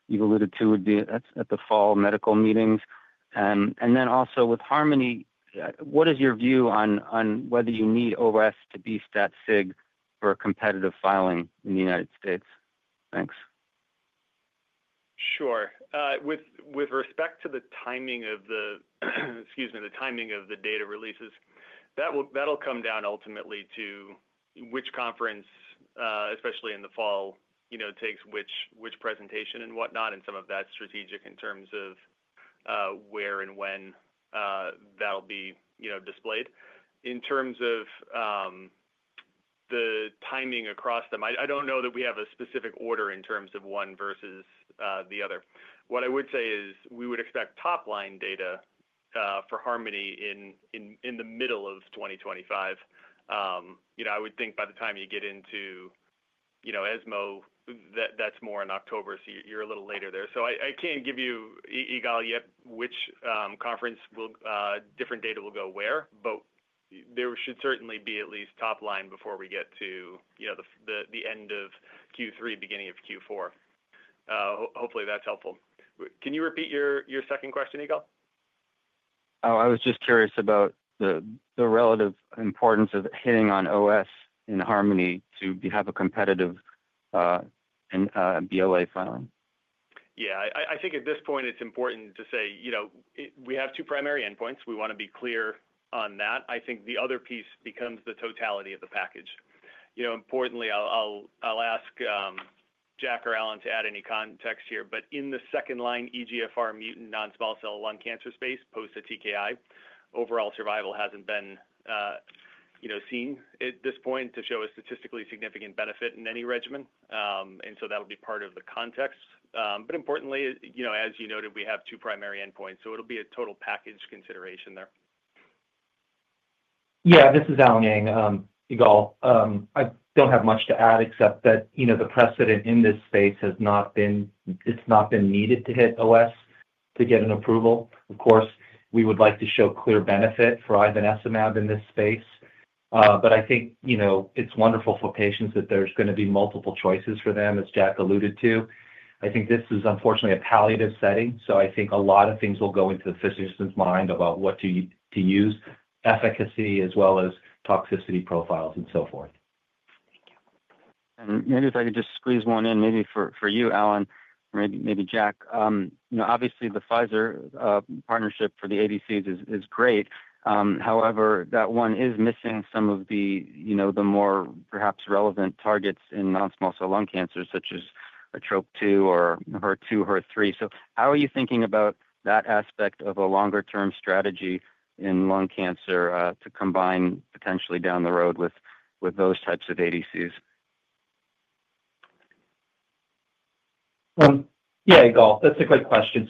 you've alluded to would be at the fall medical meetings? Also with Harmony, what is your view on whether you need OS to be stat-sig for competitive filing in the United States? Thanks. Sure. With respect to the timing of the, excuse me, the timing of the data releases, that'll come down ultimately to which conference, especially in the fall, takes which presentation and whatnot, and some of that's strategic in terms of where and when that'll be displayed. In terms of the timing across them, I don't know that we have a specific order in terms of one versus the other. What I would say is we would expect top-line data for Harmony in the middle of 2025. I would think by the time you get into ESMO, that's more in October. You are a little later there. I can't give you, Igal, yet which conference different data will go where, but there should certainly be at least top-line before we get to the end of Q3, beginning of Q4. Hopefully, that's helpful. Can you repeat your second question, Igal? I was just curious about the relative importance of hitting on OS in Harmony to have a competitive BLA filing. Yeah. I think at this point, it's important to say we have two primary endpoints. We want to be clear on that. I think the other piece becomes the totality of the package. Importantly, I'll ask Jack or Allen to add any context here. In the second-line, EGFR mutant non-small cell lung cancer space post the TKI, overall survival hasn't been seen at this point to show a statistically significant benefit in any regimen. That'll be part of the context. Importantly, as you noted, we have two primary endpoints. It'll be a total package consideration there. Yeah. This is Allen Yang, Yigal. I don't have much to add except that the precedent in this space has not been—it's not been needed to hit OS to get an approval. Of course, we would like to show clear benefit for ivonescimab in this space. I think it's wonderful for patients that there's going to be multiple choices for them, as Jack alluded to. I think this is unfortunately a palliative setting. I think a lot of things will go into the physician's mind about what to use, efficacy, as well as toxicity profiles and so forth. Thank you. Maybe if I could just squeeze one in, maybe for you, Allen, maybe Jack. Obviously, the Pfizer partnership for the ADCs is great. However, that one is missing some of the more perhaps relevant targets in non-small cell lung cancers, such as a TROP2 or HER2, HER3. How are you thinking about that aspect of a longer-term strategy in lung cancer to combine potentially down the road with those types of ADCs? Yeah, Igal. That's a great question.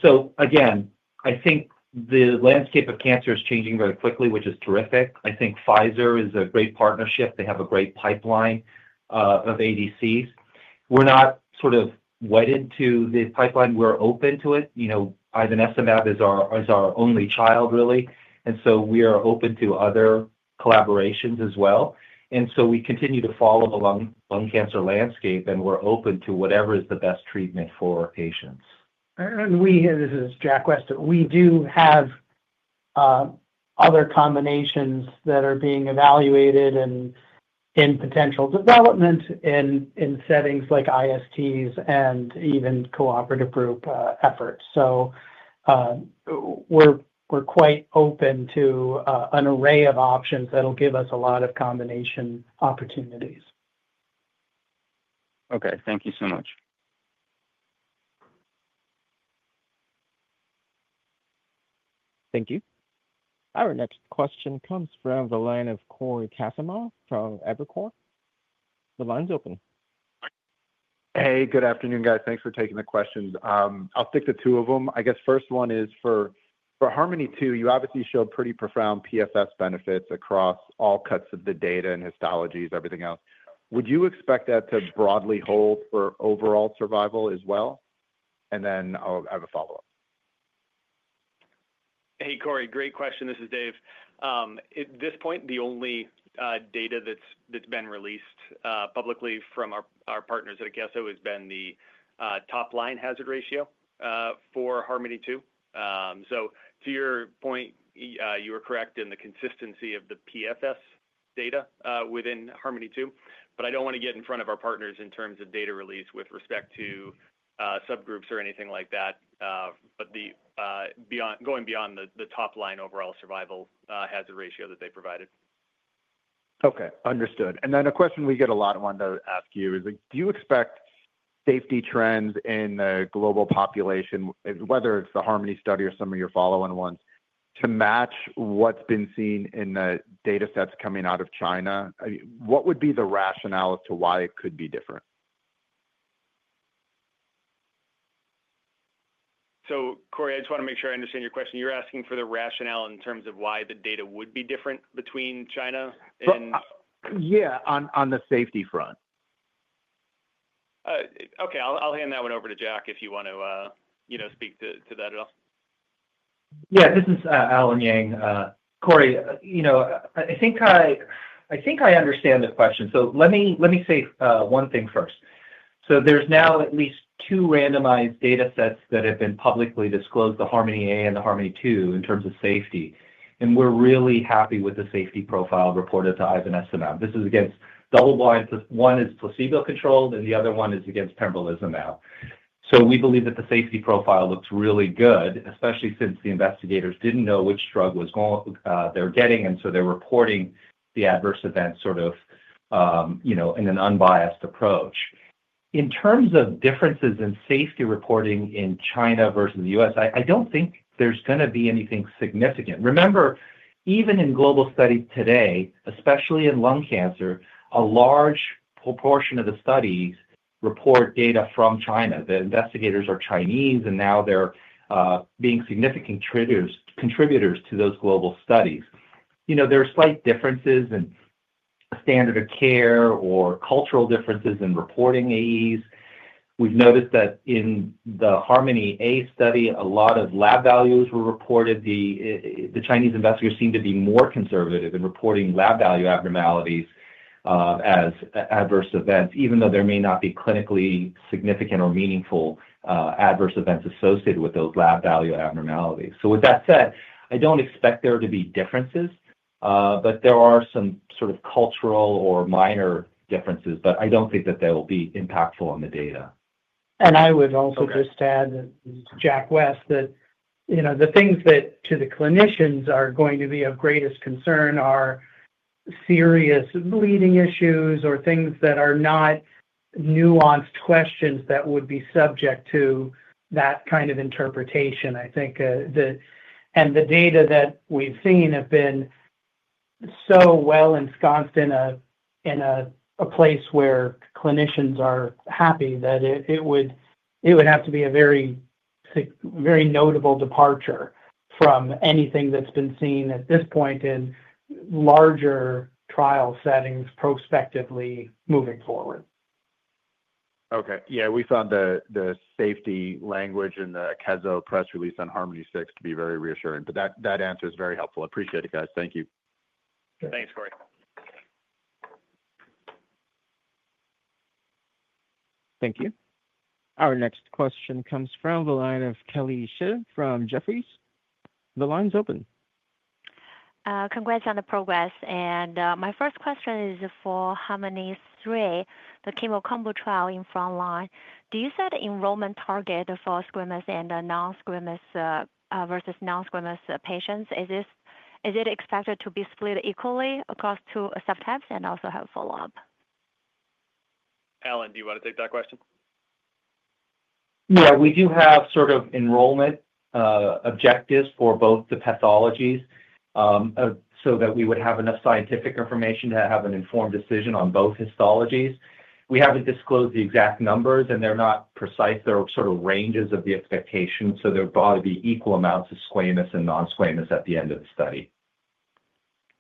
I think the landscape of cancer is changing very quickly, which is terrific. I think Pfizer is a great partnership. They have a great pipeline of ADCs. We're not sort of wedded to the pipeline. We're open to it. Ivonescimab is our only child, really. We are open to other collaborations as well. We continue to follow the lung cancer landscape, and we're open to whatever is the best treatment for patients. This is Jack West. We do have other combinations that are being evaluated and in potential development in settings like ISTs and even cooperative group efforts. We're quite open to an array of options that'll give us a lot of combination opportunities. Okay. Thank you so much. Thank you. Our next question comes from the line of Cory Kasimov from Evercore. The line's open. Hey, good afternoon, guys. Thanks for taking the questions. I'll stick to two of them. I guess first one is for Harmony II, you obviously showed pretty profound PFS benefits across all cuts of the data and histologies, everything else. Would you expect that to broadly hold for overall survival as well? I have a follow-up. Hey, Cory. Great question. This is Dave. At this point, the only data that's been released publicly from our partners at Akeso has been the top-line hazard ratio for Harmony II. To your point, you were correct in the consistency of the PFS data within Harmony II. But I don't want to get in front of our partners in terms of data release with respect to subgroups or anything like that, but going beyond the top-line overall survival hazard ratio that they provided. Okay. Understood. A question we get a lot wanted to ask you is, do you expect safety trends in the global population, whether it's the Harmony study or some of your following ones, to match what's been seen in the data sets coming out of China? What would be the rationale as to why it could be different? Cory, I just want to make sure I understand your question. You're asking for the rationale in terms of why the data would be different between China and— Yeah, on the safety front. Okay. I'll hand that one over to Jack if you want to speak to that at all. Yeah. This is Allen Yang. Cory, I think I understand the question. Let me say one thing first. There are now at least two randomized data sets that have been publicly disclosed, the Harmony A and the Harmony II, in terms of safety. We are really happy with the safety profile reported to ivonescimab. This is against double-blind. One is placebo-controlled, and the other one is against pembrolizumab. We believe that the safety profile looks really good, especially since the investigators did not know which drug they were getting. They are reporting the adverse events sort of in an unbiased approach. In terms of differences in safety reporting in China versus the US, I do not think there is going to be anything significant. Remember, even in global studies today, especially in lung cancer, a large proportion of the studies report data from China. The investigators are Chinese, and now they're being significant contributors to those global studies. There are slight differences in standard of care or cultural differences in reporting AEs. We've noticed that in the Harmony A study, a lot of lab values were reported. The Chinese investigators seem to be more conservative in reporting lab value abnormalities as adverse events, even though there may not be clinically significant or meaningful adverse events associated with those lab value abnormalities. With that said, I don't expect there to be differences, but there are some sort of cultural or minor differences. I don't think that they will be impactful on the data. I would also just add, Jack West, that the things that to the clinicians are going to be of greatest concern are serious bleeding issues or things that are not nuanced questions that would be subject to that kind of interpretation. I think that and the data that we've seen have been so well ensconced in a place where clinicians are happy that it would have to be a very notable departure from anything that's been seen at this point in larger trial settings prospectively moving forward. Okay. Yeah. We found the safety language in the Akeso press release on Harmony VI to be very reassuring. That answer is very helpful. Appreciate it, guys. Thank you. Thanks, Cory. Thank you. Our next question comes from the line of Kelly Shi from Jefferies. The line's open. Congrats on the progress. My first question is for Harmony III, the chemo combo trial in front line. Do you set enrollment target for squamous and non-squamous versus non-squamous patients? Is it expected to be split equally across two subtypes and also have follow-up? Allen, do you want to take that question? Yeah. We do have sort of enrollment objectives for both the pathologies so that we would have enough scientific information to have an informed decision on both histologies. We haven't disclosed the exact numbers, and they're not precise. They're sort of ranges of the expectation. There will probably be equal amounts of squamous and non-squamous at the end of the study.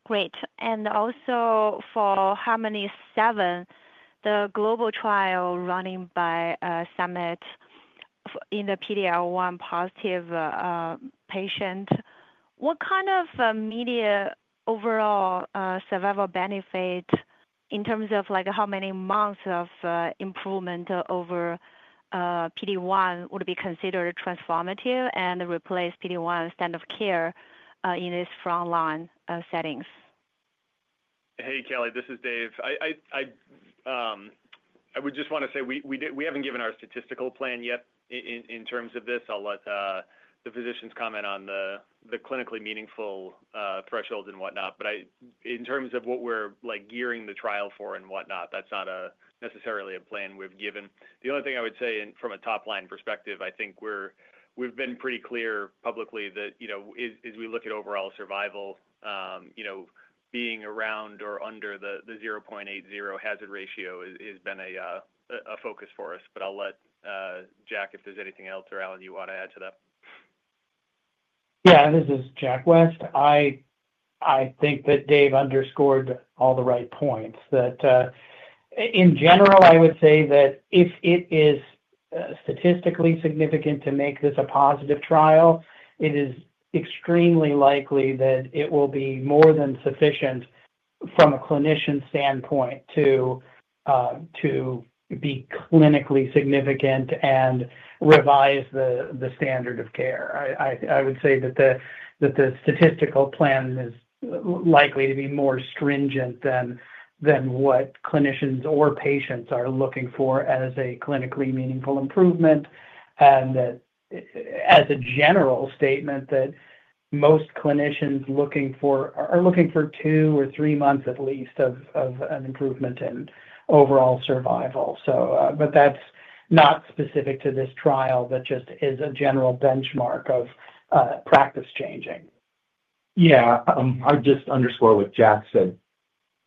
Great. Also for Harmony VII, the global trial running by Summit in the PD-L1 positive patient, what kind of immediate overall survival benefit in terms of how many months of improvement over PD-1 would be considered transformative and replace PD-1 standard of care in these front-line settings? Hey, Kelly. This is Dave. I would just want to say we have not given our statistical plan yet in terms of this. I will let the physicians comment on the clinically meaningful thresholds and whatnot. In terms of what we are gearing the trial for and whatnot, that is not necessarily a plan we have given. The only thing I would say from a top-line perspective, I think we have been pretty clear publicly that as we look at overall survival, being around or under the 0.80 hazard ratio has been a focus for us. I'll let Jack, if there's anything else, or Allen, you want to add to that. Yeah. This is Jack West. I think that Dave underscored all the right points. In general, I would say that if it is statistically significant to make this a positive trial, it is extremely likely that it will be more than sufficient from a clinician standpoint to be clinically significant and revise the standard of care. I would say that the statistical plan is likely to be more stringent than what clinicians or patients are looking for as a clinically meaningful improvement, and as a general statement, that most clinicians are looking for two or three months at least of an improvement in overall survival. That's not specific to this trial, but just as a general benchmark of practice changing. Yeah. I'd just underscore what Jack said,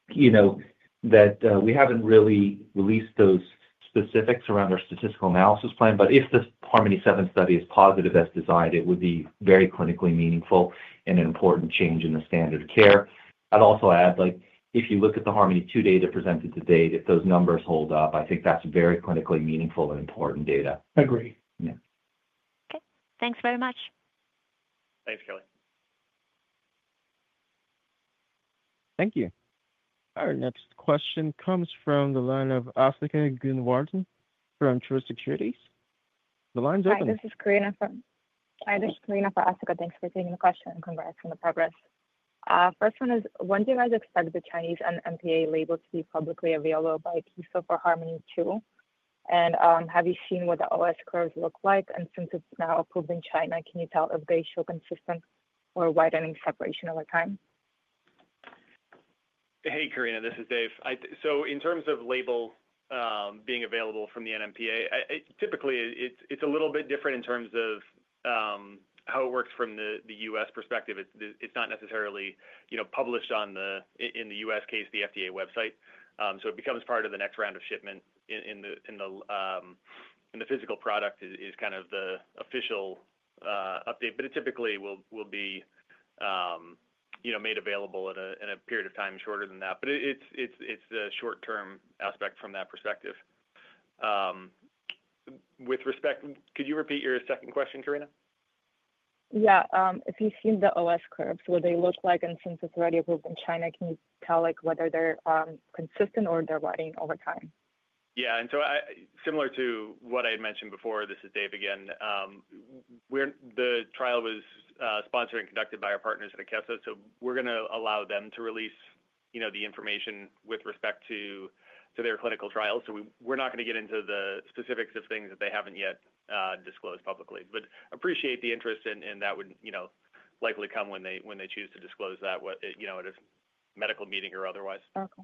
that we haven't really released those specifics around our statistical analysis plan. If the Harmony VII study is positive as designed, it would be very clinically meaningful and an important change in the standard of care. I'd also add, if you look at the Harmony II data presented to date, if those numbers hold up, I think that's very clinically meaningful and important data. Agree. Yeah. Okay. Thanks very much. Thanks, Kelly. Thank you. Our next question comes from the line of Asuka Gurner from Truist Securities. The line's open. Hi. This is Corina from. Hi. This is Corina from Asuka. Thanks for taking the question. Congrats on the progress. First one is, when do you guys expect the Chinese NMPA label to be publicly available by Akeso for Harmony II? And have you seen what the OS curves look like? Since it's now approved in China, can you tell if they show consistent or widening separation over time? Hey, Corina. This is Dave. In terms of label being available from the NMPA, typically, it's a little bit different in terms of how it works from the US perspective. It's not necessarily published in the US case, the FDA website. It becomes part of the next round of shipment, and the physical product is kind of the official update. It typically will be made available in a period of time shorter than that. It's the short-term aspect from that perspective. Could you repeat your second question, Corina? Yeah. If you've seen the OS curves, what they look like, and since it's already approved in China, can you tell whether they're consistent or they're widening over time? Yeah. Similar to what I had mentioned before, this is Dave again. The trial was sponsored and conducted by our partners at Akeso. We are going to allow them to release the information with respect to their clinical trials. We are not going to get into the specifics of things that they have not yet disclosed publicly. Appreciate the interest, and that would likely come when they choose to disclose that at a medical meeting or otherwise. Okay.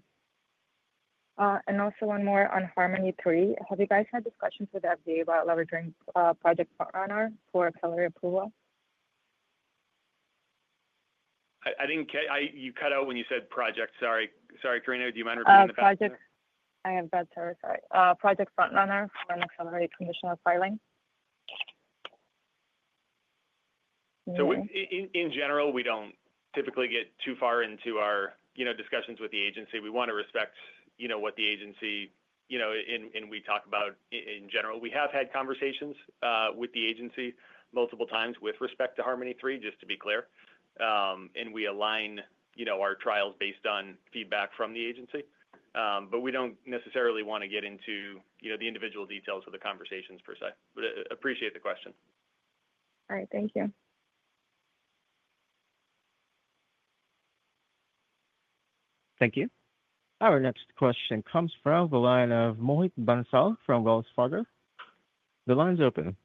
Also, one more on Harmony III. Have you guys had discussions with the FDA about leveraging Project Front Runner for accelerated approval? You cut out when you said project. Sorry. Sorry, Corina. Do you mind repeating the question? I have bad service. Sorry. Project Front Runner for an accelerated conditional filing? In general, we do not typically get too far into our discussions with the agency. We want to respect what the agency and we talk about in general. We have had conversations with the agency multiple times with respect to Harmony III, just to be clear. We align our trials based on feedback from the agency. We do not necessarily want to get into the individual details of the conversations per se. Appreciate the question. All right. Thank you. Thank you. Our next question comes from the line of Mohit Bansal from Wells Fargo. The line's open.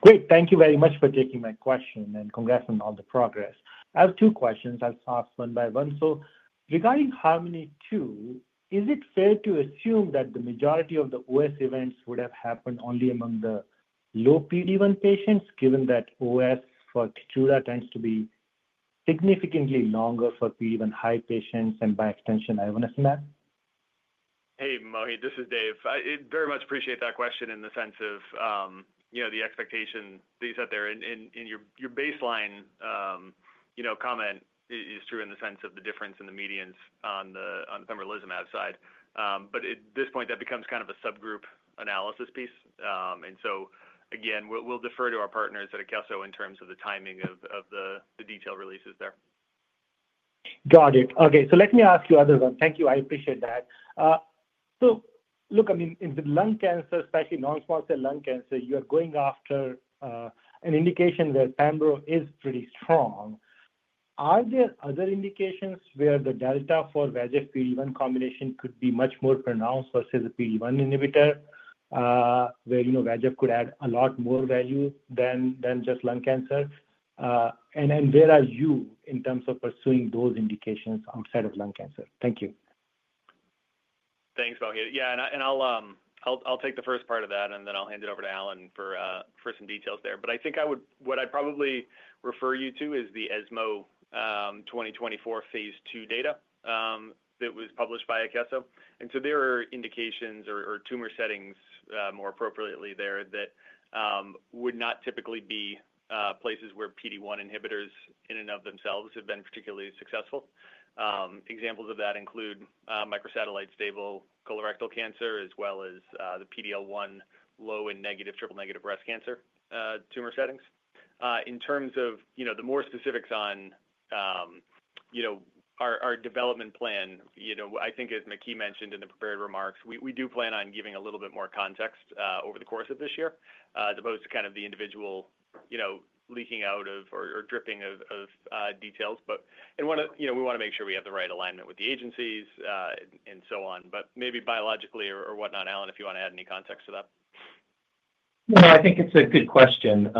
Great. Thank you very much for taking my question. Congrats on all the progress. I have two questions. I'll start one by one. Regarding Harmony II, is it fair to assume that the majority of the OS events would have happened only among the low PD-1 patients, given that OS for Keytruda tends to be significantly longer for PD-1 high patients and by extension, ivonescimab? Hey, Mohit. This is Dave. I very much appreciate that question in the sense of the expectation that you set there. Your baseline comment is true in the sense of the difference in the medians on the pembrolizumab side. At this point, that becomes kind of a subgroup analysis piece. Again, we'll defer to our partners at Akeso in terms of the timing of the detailed releases there. Got it. Okay. Let me ask you another one. Thank you. I appreciate that. Look, I mean, in the lung cancer, especially non-small cell lung cancer, you are going after an indication where pembo is pretty strong. Are there other indications where the delta for VEGF-PD1 combination could be much more pronounced versus a PD1 inhibitor, where VEGF could add a lot more value than just lung cancer? And where are you in terms of pursuing those indications outside of lung cancer? Thank you. Thanks, Mohit. Yeah. I'll take the first part of that, and then I'll hand it over to Allen for some details there. I think what I'd probably refer you to is the ESMO 2024 phase II data that was published by Akeso. There are indications or tumor settings more appropriately there that would not typically be places where PD1 inhibitors in and of themselves have been particularly successful. Examples of that include microsatellite stable colorectal cancer as well as the PD-L1 low and negative triple negative breast cancer tumor settings. In terms of the more specifics on our development plan, I think, as Maky mentioned in the prepared remarks, we do plan on giving a little bit more context over the course of this year as opposed to kind of the individual leaking out of or dripping of details. We want to make sure we have the right alignment with the agencies and so on. Maybe biologically or whatnot, Allen, if you want to add any context to that. No, I think it's a good question.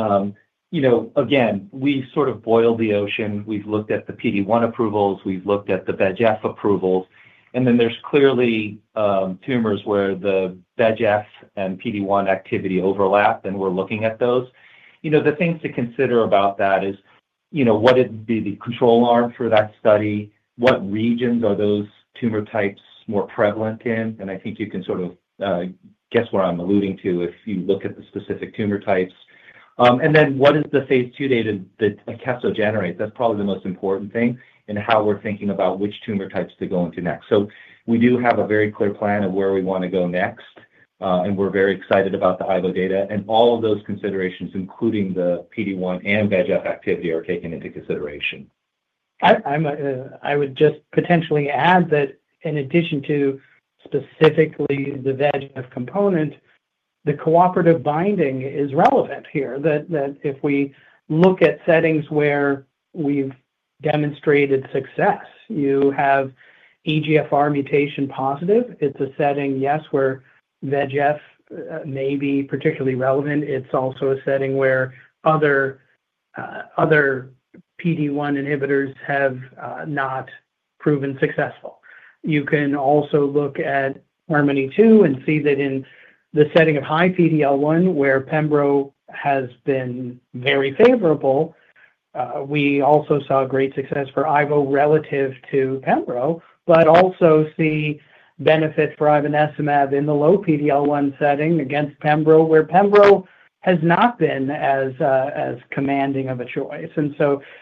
Again, we sort of boil the ocean. We've looked at the PD-1 approvals. We've looked at the VEGF approvals. Then there's clearly tumors where the VEGF and PD-1 activity overlap, and we're looking at those. The things to consider about that is what would be the control arm for that study? What regions are those tumor types more prevalent in? I think you can sort of guess where I'm alluding to if you look at the specific tumor types. What is the phase II data that Akeso generates? That's probably the most important thing in how we're thinking about which tumor types to go into next. We do have a very clear plan of where we want to go next. We're very excited about the ivonescimab data. All of those considerations, including the PD-1 and VEGF activity, are taken into consideration. I would just potentially add that in addition to specifically the VEGF component, the cooperative binding is relevant here. If we look at settings where we've demonstrated success, you have EGFR mutation positive. It's a setting, yes, where VEGF may be particularly relevant. It's also a setting where other PD-1 inhibitors have not proven successful. You can also look at Harmony II and see that in the setting of high PD-L1, where pembo has been very favorable, we also saw great success for ivonescimab relative to pembo, but also see benefit for ivonescimab in the low PD-L1 setting against pembo, where pembo has not been as commanding of a choice.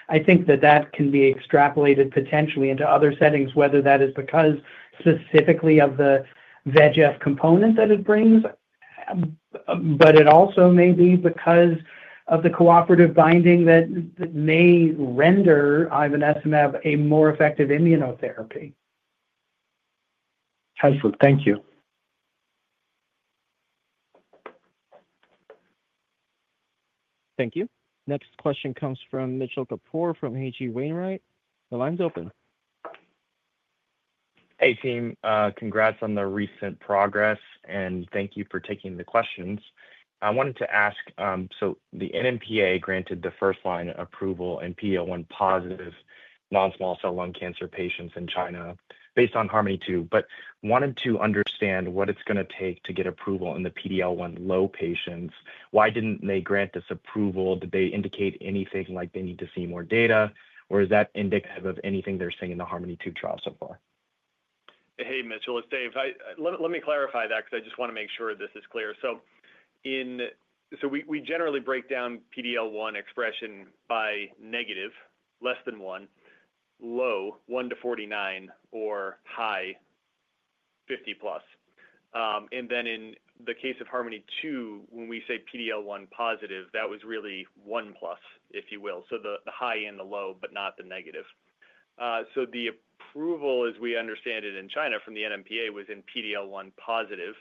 I think that that can be extrapolated potentially into other settings, whether that is because specifically of the VEGF component that it brings, but it also may be because of the cooperative binding that may render ivonescimab a more effective immunotherapy. Excellent. Thank you. Thank you. Next question comes from Mitchell Kapoor from H.C. Wainwright. The line's open. Hey, team. Congrats on the recent progress. Thank you for taking the questions. I wanted to ask, the NMPA granted the first-line approval in PD-L1 positive non-small cell lung cancer patients in China based on Harmony II, but wanted to understand what it's going to take to get approval in the PD-L1 low patients. Why didn't they grant this approval? Did they indicate anything like they need to see more data? Is that indicative of anything they're seeing in the Harmony II trial so far? Hey, Mitchell. It's Dave. Let me clarify that because I just want to make sure this is clear. We generally break down PD-L1 expression by negative, less than one, low, 1-49, or high, 50-plus. In the case of Harmony II, when we say PD-L1 positive, that was really 1-plus, if you will. The high and the low, but not the negative. The approval, as we understand it in China from the NMPA, was in PD-L1 positive.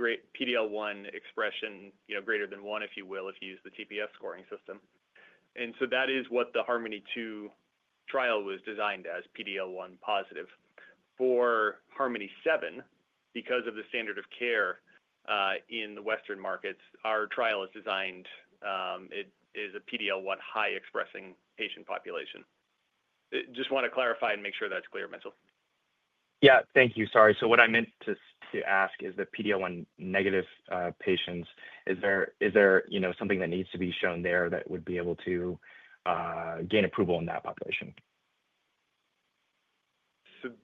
PD-L1 expression greater than 1%, if you will, if you use the TPS scoring system. That is what the Harmony II trial was designed as, PD-L1 positive. For Harmony VII, because of the standard of care in the Western markets, our trial is designed as a PD-L1 high expressing patient population. Just want to clarify and make sure that's clear, Mitchell. Yeah. Thank you. Sorry. What I meant to ask is the PD-L1 negative patients, is there something that needs to be shown there that would be able to gain approval in that population?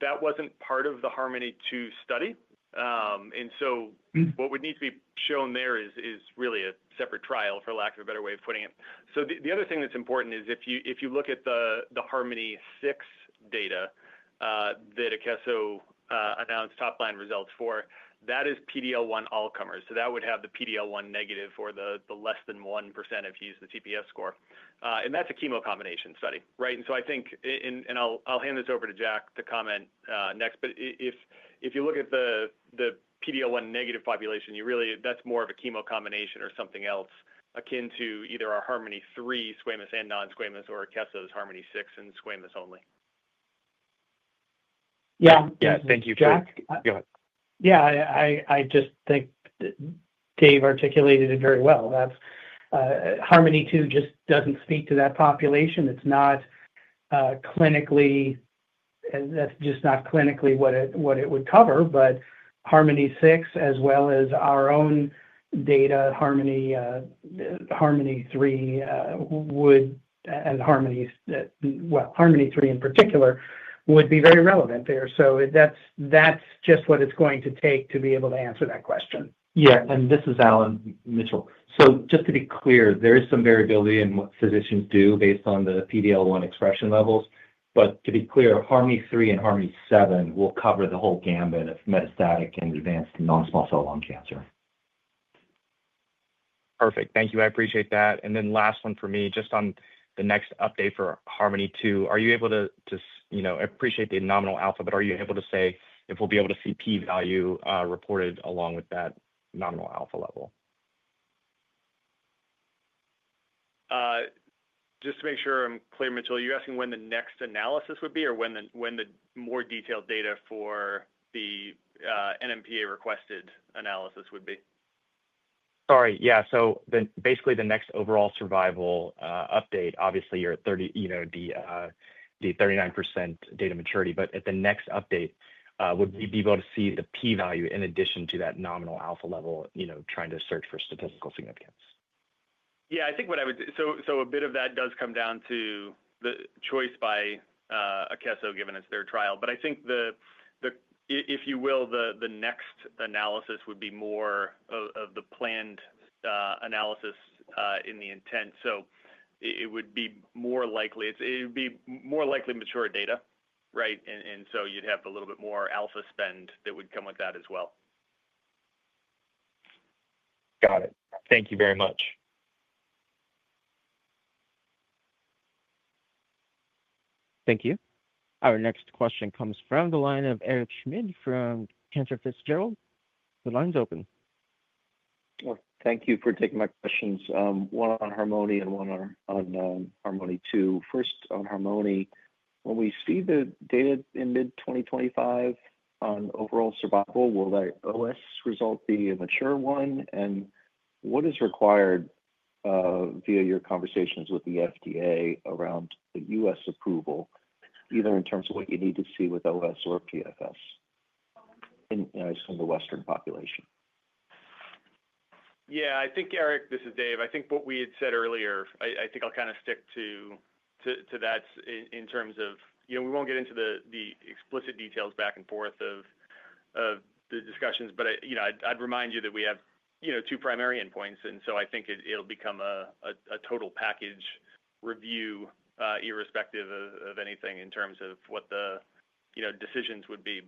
That wasn't part of the Harmony II study. What would need to be shown there is really a separate trial, for lack of a better way of putting it. The other thing that's important is if you look at the Harmony VI data that Akeso announced top-line results for, that is PD-L1 all-comers. That would have the PD-L1 negative or the less than 1% if you use the TPS score. That's a chemo combination study, right? I think, and I'll hand this over to Jack to comment next. If you look at the PD-L1 negative population, that's more of a chemo combination or something else akin to either our Harmony III squamous and non-squamous or Akeso's Harmony VI and squamous only. Yeah. Yeah. Thank you. Jack, go ahead. Yeah. I just think Dave articulated it very well. Harmony II just doesn't speak to that population. That's just not clinically what it would cover. Harmony VI, as well as our own data, Harmony III and Harmony III in particular, would be very relevant there. That is just what it is going to take to be able to answer that question. Yeah. This is Allen, Mitchell. Just to be clear, there is some variability in what physicians do based on the PD-L1 expression levels. To be clear, Harmony III and Harmony VII will cover the whole gamut of metastatic and advanced non-small cell lung cancer. Perfect. Thank you. I appreciate that. Last one for me, just on the next update for Harmony II, are you able to just, I appreciate the nominal alpha, but are you able to say if we will be able to see P-value reported along with that nominal alpha level? Just to make sure I'm clear, Mitchell, are you asking when the next analysis would be or when the more detailed data for the NMPA-requested analysis would be? Sorry. Yeah. Basically, the next overall survival update, obviously, you're at the 39% data maturity. At the next update, would we be able to see the P-value in addition to that nominal alpha level trying to search for statistical significance? Yeah. I think what I would say is a bit of that does come down to the choice by Akeso given it's their trial. I think, if you will, the next analysis would be more of the planned analysis in the intent. It would be more likely it would be more likely mature data, right? You'd have a little bit more alpha spend that would come with that as well. Got it. Thank you very much. Thank you. Our next question comes from the line of Eric Schmidt from Cantor Fitzgerald. The line's open. Thank you for taking my questions. One on Harmony and one on Harmony II. First, on Harmony, when we see the data in mid-2025 on overall survival, will that OS result be a mature one? And what is required via your conversations with the FDA around the US approval, either in terms of what you need to see with OS or PFS in the Western population? Yeah. I think, Eric, this is Dave. I think what we had said earlier, I think I'll kind of stick to that in terms of we won't get into the explicit details back and forth of the discussions. But I'd remind you that we have two primary endpoints. I think it'll become a total package review, irrespective of anything in terms of what the decisions would be.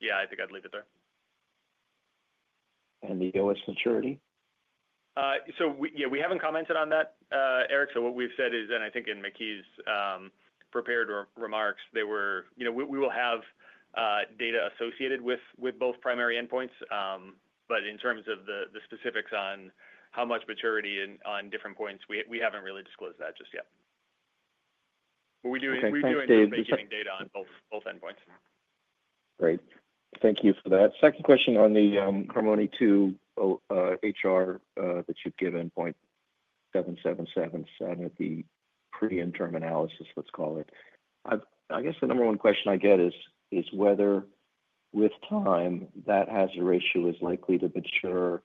Yeah, I think I'd leave it there. The OS maturity? Yeah, we haven't commented on that, Eric. What we've said is, and I think in Maky's prepared remarks, we will have data associated with both primary endpoints. In terms of the specifics on how much maturity on different points, we haven't really disclosed that just yet. We do end up getting data on both endpoints. Great. Thank you for that. Second question on the Harmony II HR that you've given, 0.7777 of the pre-interim analysis, let's call it. I guess the number one question I get is whether, with time, that hazard ratio is likely to mature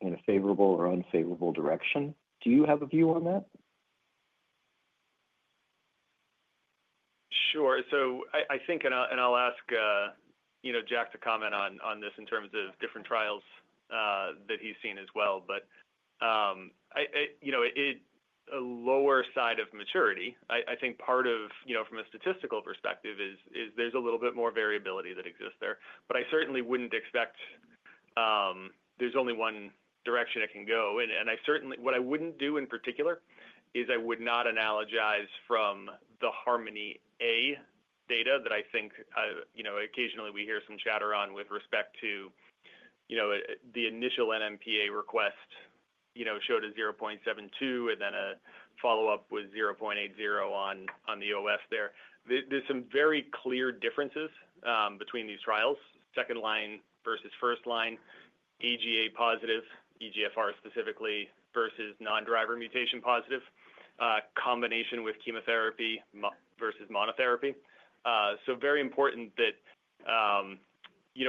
in a favorable or unfavorable direction. Do you have a view on that? Sure. I think, and I'll ask Jack to comment on this in terms of different trials that he's seen as well. A lower side of maturity, I think part of from a statistical perspective is there's a little bit more variability that exists there. I certainly wouldn't expect there's only one direction it can go. What I wouldn't do in particular is I would not analogize from the Harmony A data that I think occasionally we hear some chatter on with respect to the initial NMPA request showed a 0.72, and then a follow-up was 0.80 on the OS there. There's some very clear differences between these trials, second-line versus first-line, AGA positive, EGFR specifically, versus non-driver mutation positive, combination with chemotherapy versus monotherapy. Very important that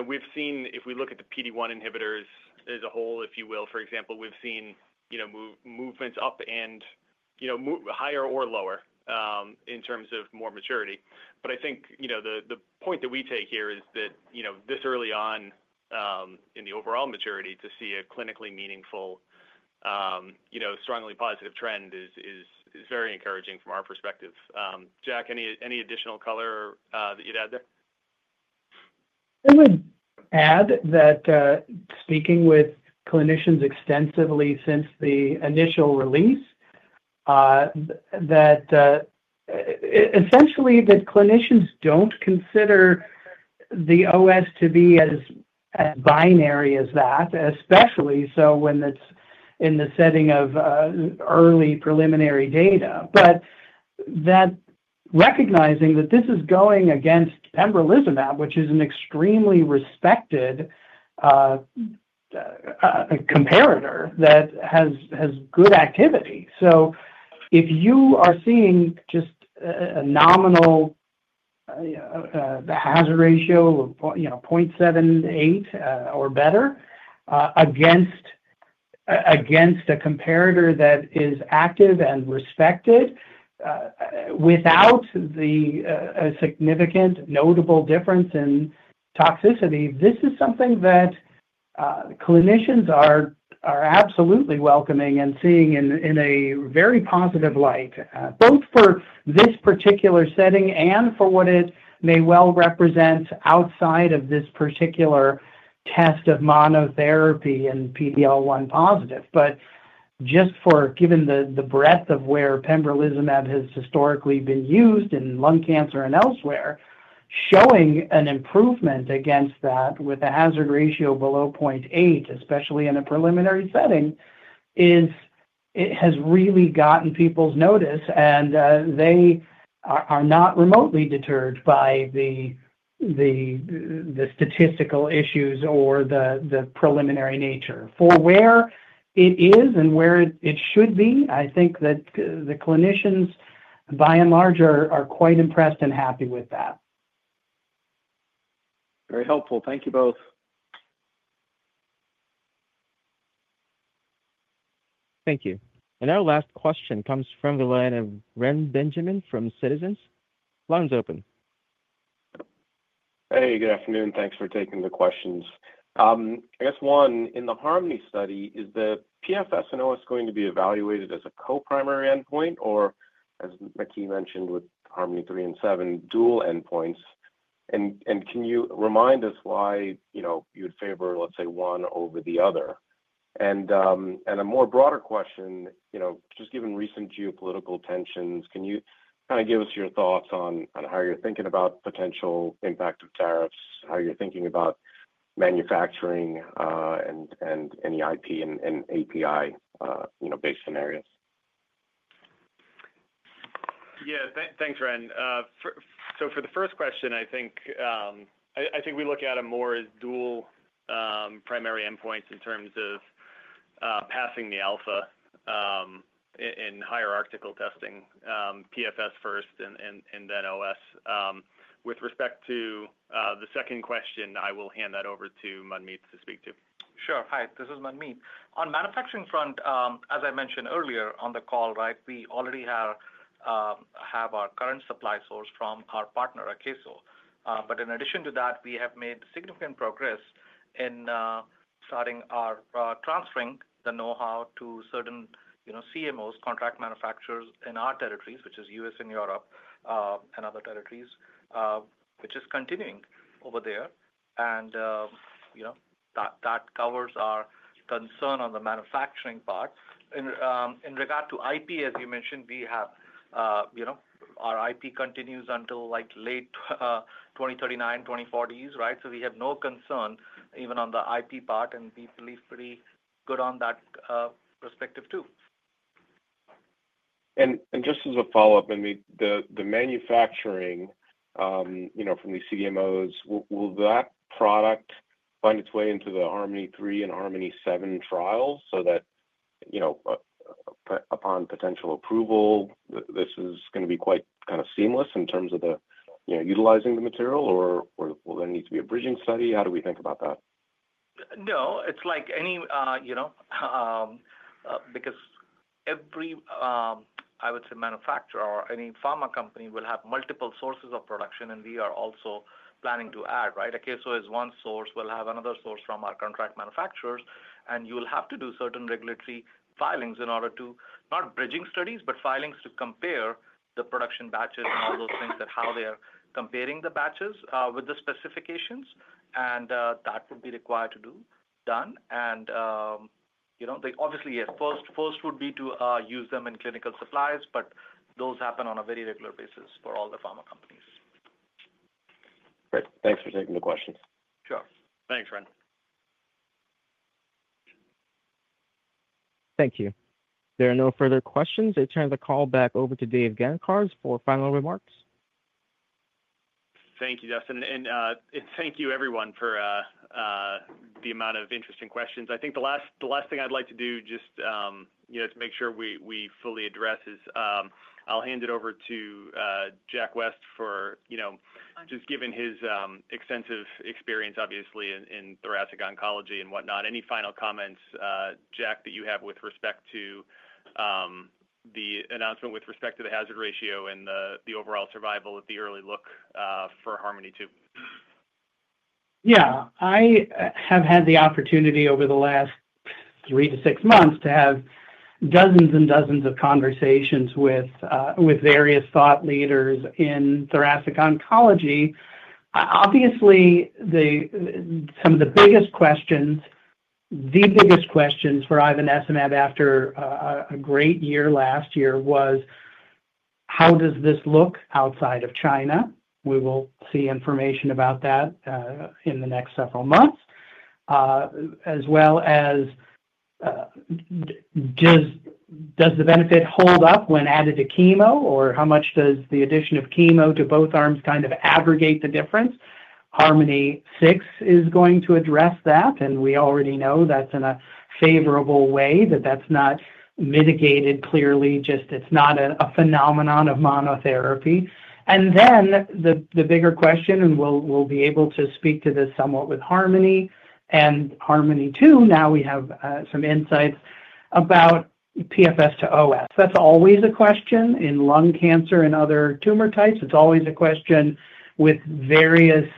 we've seen, if we look at the PD-1 inhibitors as a whole, if you will, for example, we've seen movements up and higher or lower in terms of more maturity. I think the point that we take here is that this early on in the overall maturity, to see a clinically meaningful, strongly positive trend is very encouraging from our perspective. Jack, any additional color that you'd add there? I would add that speaking with clinicians extensively since the initial release, essentially that clinicians don't consider the OS to be as binary as that, especially so when it's in the setting of early preliminary data. Recognizing that this is going against pembrolizumab, which is an extremely respected comparator that has good activity. If you are seeing just a nominal hazard ratio of 0.78 or better against a comparator that is active and respected without a significant notable difference in toxicity, this is something that clinicians are absolutely welcoming and seeing in a very positive light, both for this particular setting and for what it may well represent outside of this particular test of monotherapy and PD-L1 positive. Just given the breadth of where pembrolizumab has historically been used in lung cancer and elsewhere, showing an improvement against that with a hazard ratio below 0.8, especially in a preliminary setting, has really gotten people's notice. They are not remotely deterred by the statistical issues or the preliminary nature. For where it is and where it should be, I think that the clinicians, by and large, are quite impressed and happy with that. Very helpful. Thank you both. Thank you. Our last question comes from the line of Reni Benjamin from Citizens. Line's open. Hey, good afternoon. Thanks for taking the questions. I guess one, in the Harmony study, is the PFS and OS going to be evaluated as a co-primary endpoint or, as Maky mentioned with Harmony III and VII, dual endpoints? Can you remind us why you would favor, let's say, one over the other? A more broader question, just given recent geopolitical tensions, can you kind of give us your thoughts on how you're thinking about potential impact of tariffs, how you're thinking about manufacturing, and any IP and API-based scenarios? Yeah. Thanks, Ren. For the first question, I think we look at them more as dual primary endpoints in terms of passing the alpha in hierarchical testing, PFS first and then OS. With respect to the second question, I will hand that over to Manmeet to speak to. Sure. Hi, this is Manmeet. On manufacturing front, as I mentioned earlier on the call, right, we already have our current supply source from our partner, Akeso. In addition to that, we have made significant progress in starting our transferring the know-how to certain CMOs, contract manufacturers in our territories, which is US and Europe and other territories, which is continuing over there. That covers our concern on the manufacturing part. In regard to IP, as you mentioned, we have our IP continues until late 2039, 2040s, right? We have no concern even on the IP part, and we believe pretty good on that perspective too. Just as a follow-up, I mean, the manufacturing from the CMOs, will that product find its way into the Harmony III and Harmony VII trials so that upon potential approval, this is going to be quite kind of seamless in terms of utilizing the material? Or will there need to be a bridging study? How do we think about that? No. It's like any because every, I would say, manufacturer or any pharma company will have multiple sources of production, and we are also planning to add, right? Akeso is one source, will have another source from our contract manufacturers. You will have to do certain regulatory filings in order to, not bridging studies, but filings to compare the production batches and all those things, how they're comparing the batches with the specifications. That would be required to be done. Obviously, yes, first would be to use them in clinical supplies, but those happen on a very regular basis for all the pharma companies. Great. Thanks for taking the questions. Sure. Thanks, Ren. Thank you. There are no further questions. I turn the call back over to Dave Gancarz for final remarks. Thank you, Dustin. Thank you, everyone, for the amount of interesting questions. I think the last thing I'd like to do just to make sure we fully address is I'll hand it over to Jack West for, just given his extensive experience, obviously, in thoracic oncology and whatnot. Any final comments, Jack, that you have with respect to the announcement with respect to the hazard ratio and the overall survival at the early look for Harmony II? Yeah. I have had the opportunity over the last three to six months to have dozens and dozens of conversations with various thought leaders in thoracic oncology. Obviously, some of the biggest questions, the biggest questions for ivonescimab after a great year last year was, how does this look outside of China? We will see information about that in the next several months, as well as does the benefit hold up when added to chemo? Or how much does the addition of chemo to both arms kind of aggregate the difference? Harmony VI is going to address that. We already know that's in a favorable way, that that's not mitigated clearly, just it's not a phenomenon of monotherapy. The bigger question, and we'll be able to speak to this somewhat with Harmony. Harmony II, now we have some insights about PFS to OS. That's always a question in lung cancer and other tumor types. It's always a question with various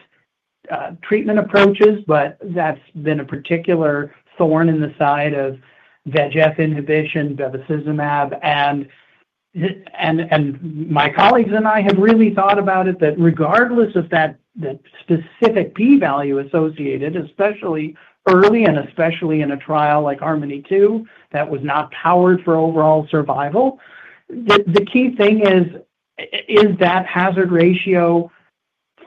treatment approaches, but that's been a particular thorn in the side of VEGF inhibition, bevacizumab. My colleagues and I have really thought about it that regardless of that specific p-value associated, especially early and especially in a trial like Harmony II that was not powered for overall survival, the key thing is that hazard ratio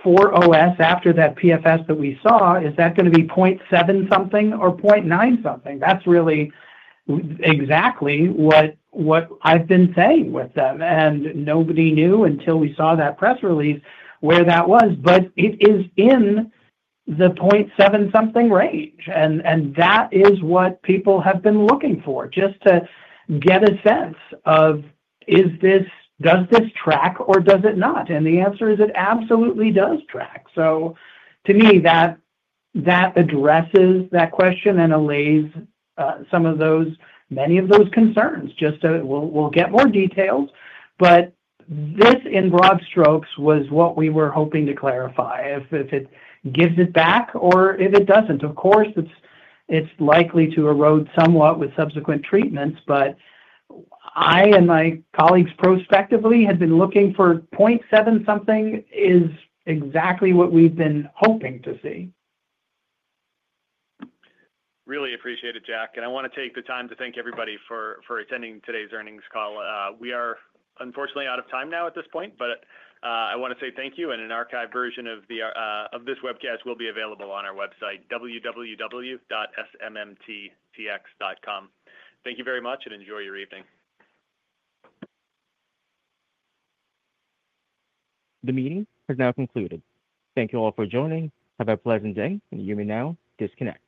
for OS after that PFS that we saw, is that going to be 0.7 something or 0.9 something? That's really exactly what I've been saying with them. Nobody knew until we saw that press release where that was. It is in the 0.7 something range. That is what people have been looking for, just to get a sense of, does this track or does it not? The answer is it absolutely does track. To me, that addresses that question and allays many of those concerns. We will get more details. This, in broad strokes, was what we were hoping to clarify, if it gives it back or if it does not. Of course, it is likely to erode somewhat with subsequent treatments. I and my colleagues prospectively had been looking for 0.7 something, which is exactly what we have been hoping to see. Really appreciate it, Jack. I want to take the time to thank everybody for attending today's earnings call. We are unfortunately out of time now at this point, but I want to say thank you. An archived version of this webcast will be available on our website, www.smmtx.com. Thank you very much, and enjoy your evening. The meeting has now concluded. Thank you all for joining. Have a pleasant day, and you may now disconnect.